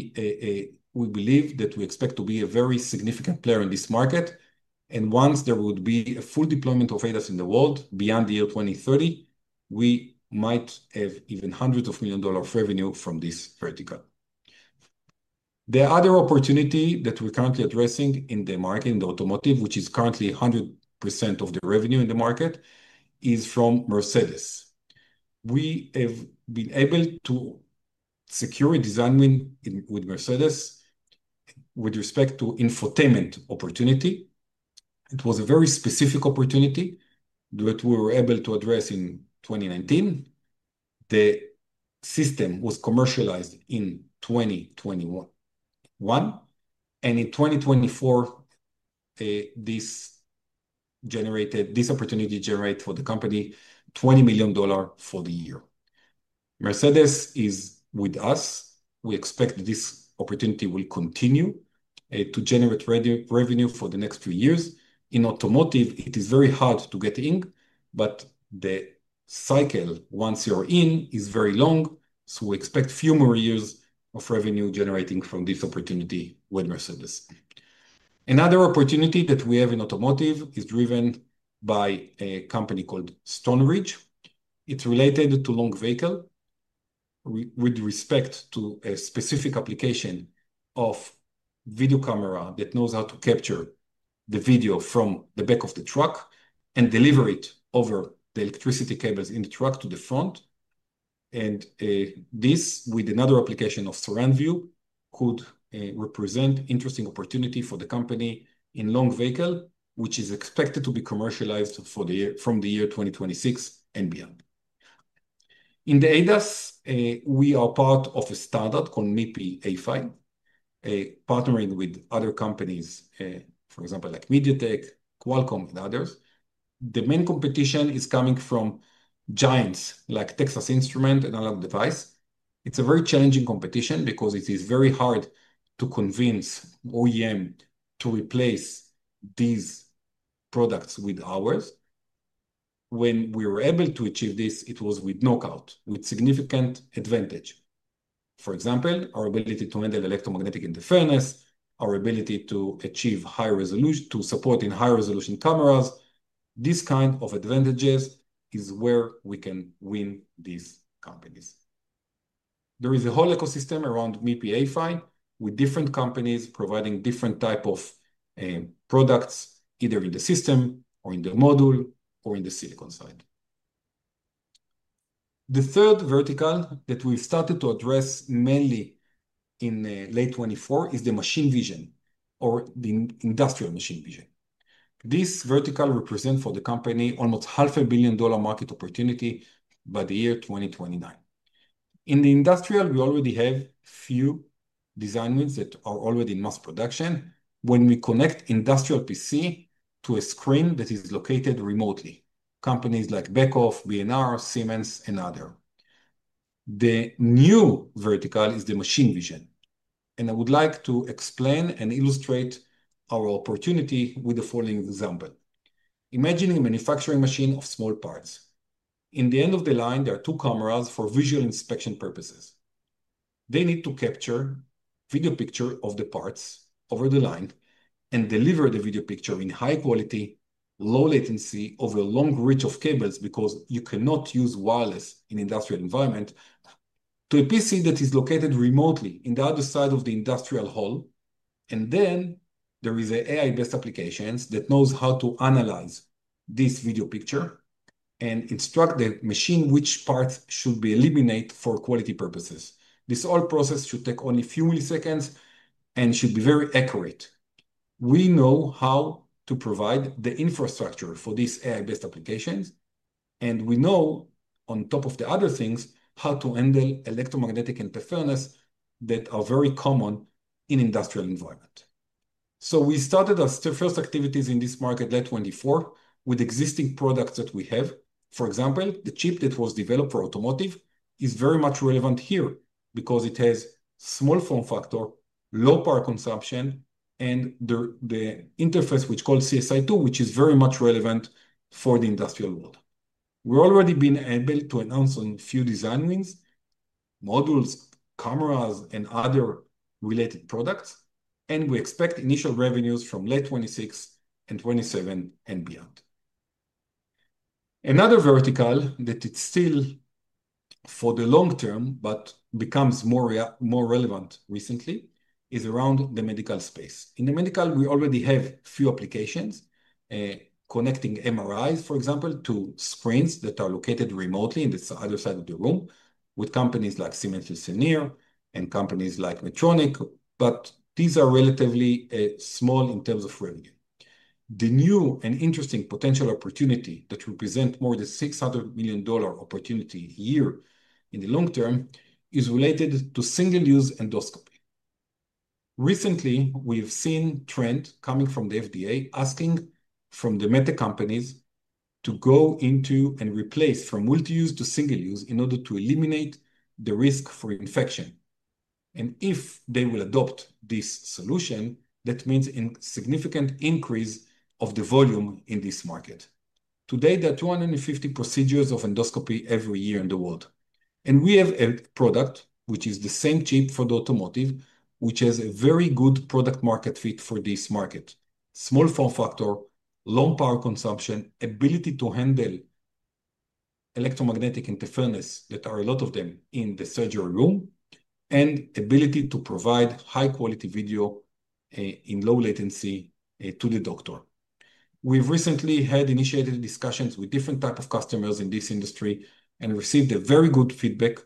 believe that we expect to be a very significant player in this market. Once there would be a full deployment of ADAS in the world beyond the year 2030, we might have even hundreds of million dollars revenue from this vertical. The other opportunity that we're currently addressing in the market in the automotive, which is currently 100% of the revenue in the market, is from Mercedes. We have been able to secure a design win with Mercedes with respect to infotainment opportunity. It was a very specific opportunity that we were able to address in 2019. The system was commercialized in 2021. In 2024, this opportunity generated for the company $20 million for the year. Mercedes is with us. We expect this opportunity will continue to generate revenue for the next few years. In automotive, it is very hard to get in, but the cycle once you're in is very long. We expect a few more years of revenue generating from this opportunity with Mercedes. Another opportunity that we have in automotive is driven by a company called Stoneridge. It's related to long vehicle with respect to a specific application of video camera that knows how to capture the video from the back of the truck and deliver it over the electricity cables in the truck to the front. This, with another application of SurroundView, could represent an interesting opportunity for the company in long vehicle, which is expected to be commercialized from the year 2026 and beyond. In the ADAS, we are part of a standard called MIPI A-PHY, partnering with other companies, for example, like MediaTek, Qualcomm, and others. The main competition is coming from giants like Texas Instruments and Analog Devices. It's a very challenging competition because it is very hard to convince OEMs to replace these products with ours. When we were able to achieve this, it was with knockout, with significant advantage. For example, our ability to handle electromagnetic interference, our ability to achieve high resolution, to support in high-resolution cameras. This kind of advantages is where we can win these companies. There is a whole ecosystem around MIPI A-PHY with different companies providing different types of products either in the system or in the module or in the silicon side. The third vertical that we started to address mainly in late 2024 is the machine vision or the industrial machine vision. This vertical represents for the company almost $500 million market opportunity by the year 2029. In the industrial, we already have a few design wins that are already in mass production when we connect industrial PC to a screen that is located remotely. Companies like Beckhoff, B&R, Siemens, and others. The new vertical is the machine vision. I would like to explain and illustrate our opportunity with the following example. Imagine a manufacturing machine of small parts. In the end of the line, there are two cameras for visual inspection purposes. They need to capture video pictures of the parts over the line and deliver the video picture in high quality, low latency over a long reach of cables because you cannot use wireless in an industrial environment to a PC that is located remotely in the other side of the industrial hall. There are AI-based applications that know how to analyze this video picture and instruct the machine which parts should be eliminated for quality purposes. This whole process should take only a few milliseconds and should be very accurate. We know how to provide the infrastructure for these AI-based applications. We know, on top of the other things, how to handle electromagnetic interference that are very common in an industrial environment. We started our first activities in this market late 2024 with existing products that we have. For example, the chip that was developed for automotive is very much relevant here because it has a small form factor, low power consumption, and the interface, which is called CSI2, which is very much relevant for the industrial world. We've already been able to announce on a few design wins, modules, cameras, and other related products. We expect initial revenues from late 2026, 2027, and beyond. Another vertical that is still for the long term, but becomes more relevant recently, is around the medical space. In the medical, we already have a few applications connecting MRIs, for example, to screens that are located remotely on the other side of the room with companies like Siemens Sennheiser and companies like Medtronic. These are relatively small in terms of revenue. The new and interesting potential opportunity that will present more than $600 million opportunity here in the long term is related to single-use endoscopy. Recently, we've seen a trend coming from the FDA asking for the medical companies to go into and replace from multi-use to single-use in order to eliminate the risk for infection. If they will adopt this solution, that means a significant increase of the volume in this market. Today, there are 250 procedures of endoscopy every year in the world. We have a product, which is the same chip for the automotive, which has a very good product-market fit for this market. Small form factor, low power consumption, ability to handle electromagnetic interference, there are a lot of them in the surgery room, and ability to provide high-quality video in low latency to the doctor. We've recently had initiated discussions with different types of customers in this industry and received very good feedback,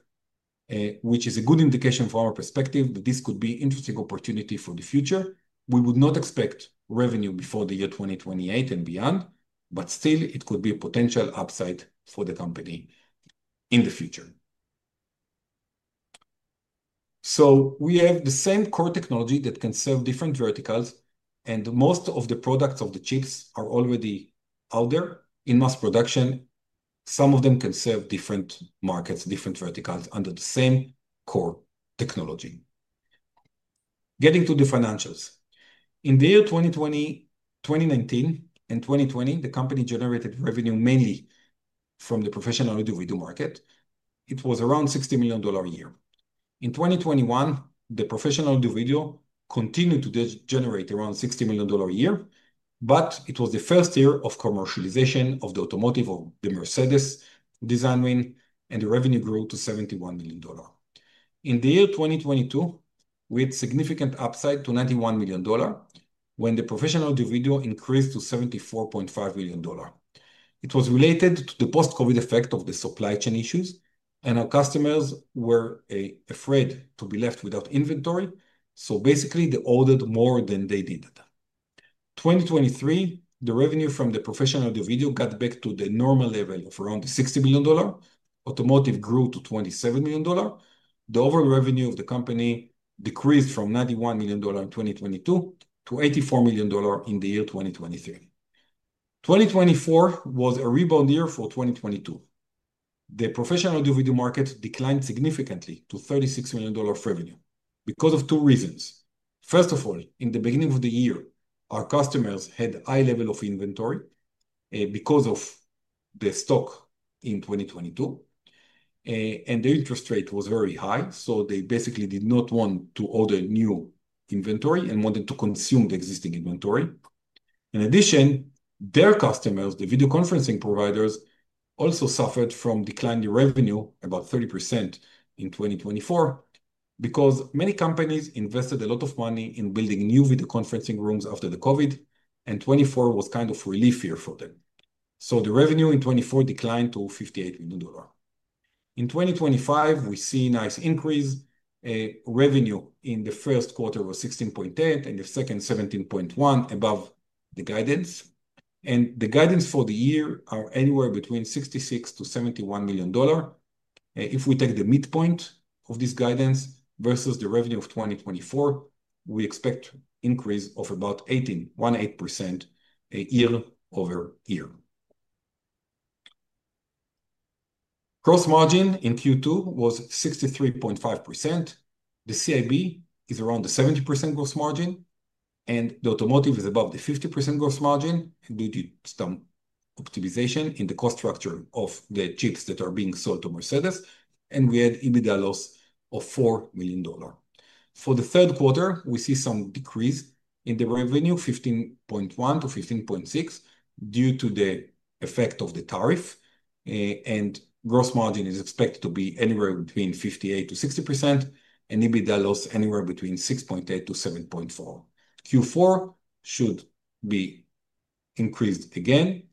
which is a good indication from our perspective that this could be an interesting opportunity for the future. We would not expect revenue before the year 2028 and beyond, but still, it could be a potential upside for the company in the future. We have the same core technology that can serve different verticals, and most of the products of the chips are already out there in mass production. Some of them can serve different markets, different verticals under the same core technology. Getting to the financials. In the year 2019 and 2020, the company generated revenue mainly from the professional audio video market. It was around $60 million a year. In 2021, the professional audio video continued to generate around $60 million a year, but it was the first year of commercialization of the automotive of the Mercedes design win, and the revenue grew to $71 million. In the year 2022, we had a significant upside to $91 million when the professional audio video increased to $74.5 million. It was related to the post-COVID effect of the supply chain issues, and our customers were afraid to be left without inventory. Basically, they ordered more than they did. In 2023, the revenue from the professional audio video got back to the normal level of around $60 million. Automotive grew to $27 million. The overall revenue of the company decreased from $91 million in 2022 to $84 million in the year 2023. 2024 was a rebound year for 2022. The professional audio video market declined significantly to $36 million revenue because of two reasons. First of all, in the beginning of the year, our customers had a high level of inventory because of the stock in 2022. The interest rate was very high, so they basically did not want to order new inventory and wanted to consume the existing inventory. In addition, their customers, the video conferencing providers, also suffered from declining revenue, about 30% in 2024, because many companies invested a lot of money in building new video conferencing rooms after the COVID, and 2024 was kind of a relief year for them. The revenue in 2024 declined to $58 million. In 2025, we see a nice increase. Revenue in the first quarter was $16.10 million, and the second, $17.1 million, above the guidance. The guidance for the year is anywhere between $66 million to $71 million. If we take the midpoint of this guidance versus the revenue of 2024, we expect an increase of about 0.18% year-over-year. Gross margin in Q2 was 63.5%. The CAB is around a 70% gross margin, and the automotive is above the 50% gross margin. We did some optimization in the cost structure of the chips that are being sold to Mercedes, and we had an EBITDA loss of $4 million. For the third quarter, we see some decrease in the revenue, $15.1 million-$15.6 million, due to the effect of the tariff. Gross margin is expected to be anywhere between 58%-60%, and EBITDA loss anywhere between $6.8 million-$7.4 million. Q4 should be increased again.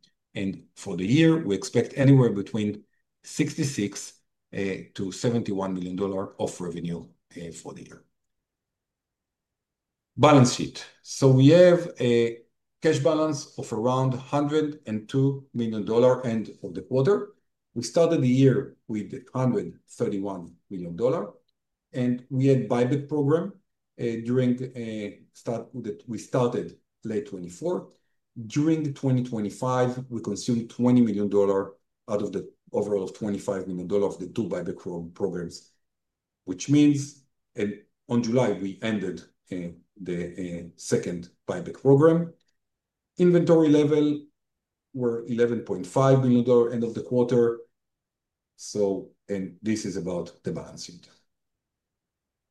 For the year, we expect anywhere between $66 million-$71 million of revenue for the year. Balance sheet. We have a cash balance of around $102 million end of the quarter. We started the year with $131 million. We had a buyback program during the start that we started late 2024. During 2025, we consumed $20 million out of the overall $25 million of the two buyback programs, which means in July, we ended the second buyback program. Inventory level was $11.5 million end of the quarter. This is about the balance sheet.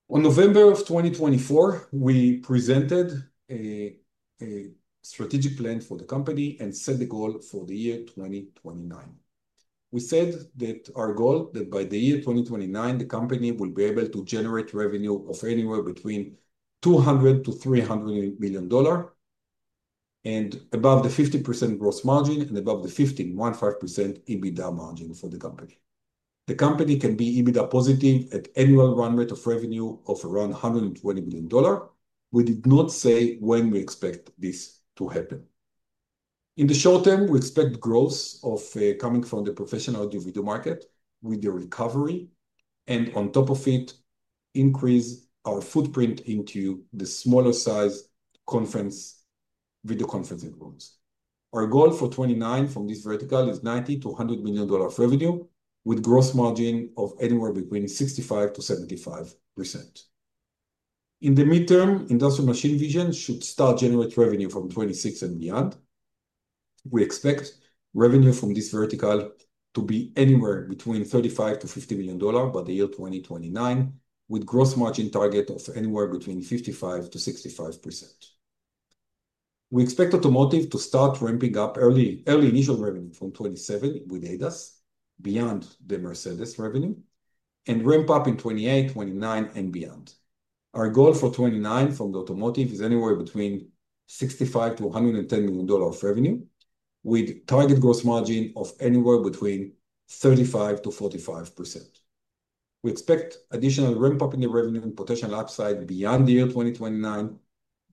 In November of 2024, we presented a strategic plan for the company and set the goal for the year 2029. We said that our goal is that by the year 2029, the company will be able to generate revenue of anywhere between $200 million-$300 million and above the 50% gross margin and above the 15.5% EBITDA margin for the company. The company can be EBITDA positive at an annual run rate of revenue of around $120 million. We did not say when we expect this to happen. In the short term, we expect growth coming from the professional audio video market with the recovery. On top of it, increase our footprint into the smaller size video conferencing rooms. Our goal for 2029 from this vertical is $90 million-$100 million revenue with a gross margin of anywhere between 65%-75%. In the midterm, industrial machine vision should start to generate revenue from 2026 and beyond. We expect revenue from this vertical to be anywhere between $35 million-$50 million by the year 2029, with a gross margin target of anywhere between 55%-65%. We expect automotive to start ramping up early initial revenue from 2027 with ADAS beyond the Mercedes revenue and ramp up in 2028, 2029, and beyond. Our goal for 2029 from the automotive is anywhere between $65 million-$110 million of revenue with a target gross margin of anywhere between 35%-45%. We expect additional ramp-up in the revenue and potential upside beyond the year 2029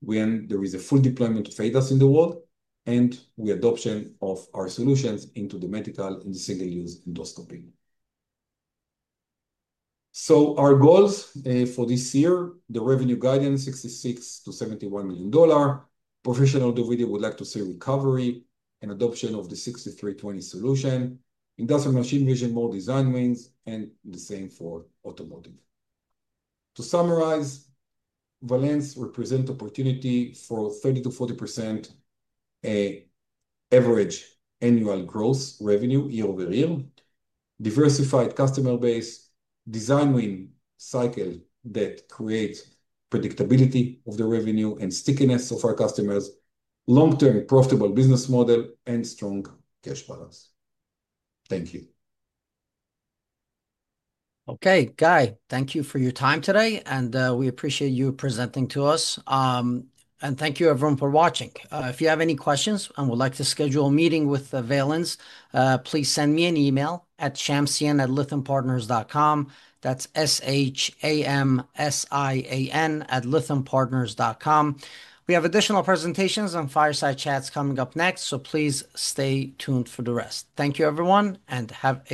when there is a full deployment of ADAS in the world and the adoption of our solutions into the medical and single-use endoscopy. Our goals for this year, the revenue guidance, $66 million-$71 million. Professional audio video would like to see recovery and adoption of the VS6320 solution, industrial machine vision more design wins, and the same for automotive. To summarize, Valens Semiconductor represents an opportunity for 30%-40% average annual gross revenue year over year, diversified customer base, design win cycle that creates predictability of the revenue and stickiness of our customers, long-term profitable business model, and strong cash balance. Thank you. OK, Guy, thank you for your time today. We appreciate you presenting to us. Thank you, everyone, for watching. If you have any questions and would like to schedule a meeting with Valens Semiconductor, please send me an email at shamsian@lythampartners.com. That's S-H-A-M-S-I-A-N at lythampartners.com. We have additional presentations and fireside chats coming up next. Please stay tuned for the rest. Thank you, everyone, and have a.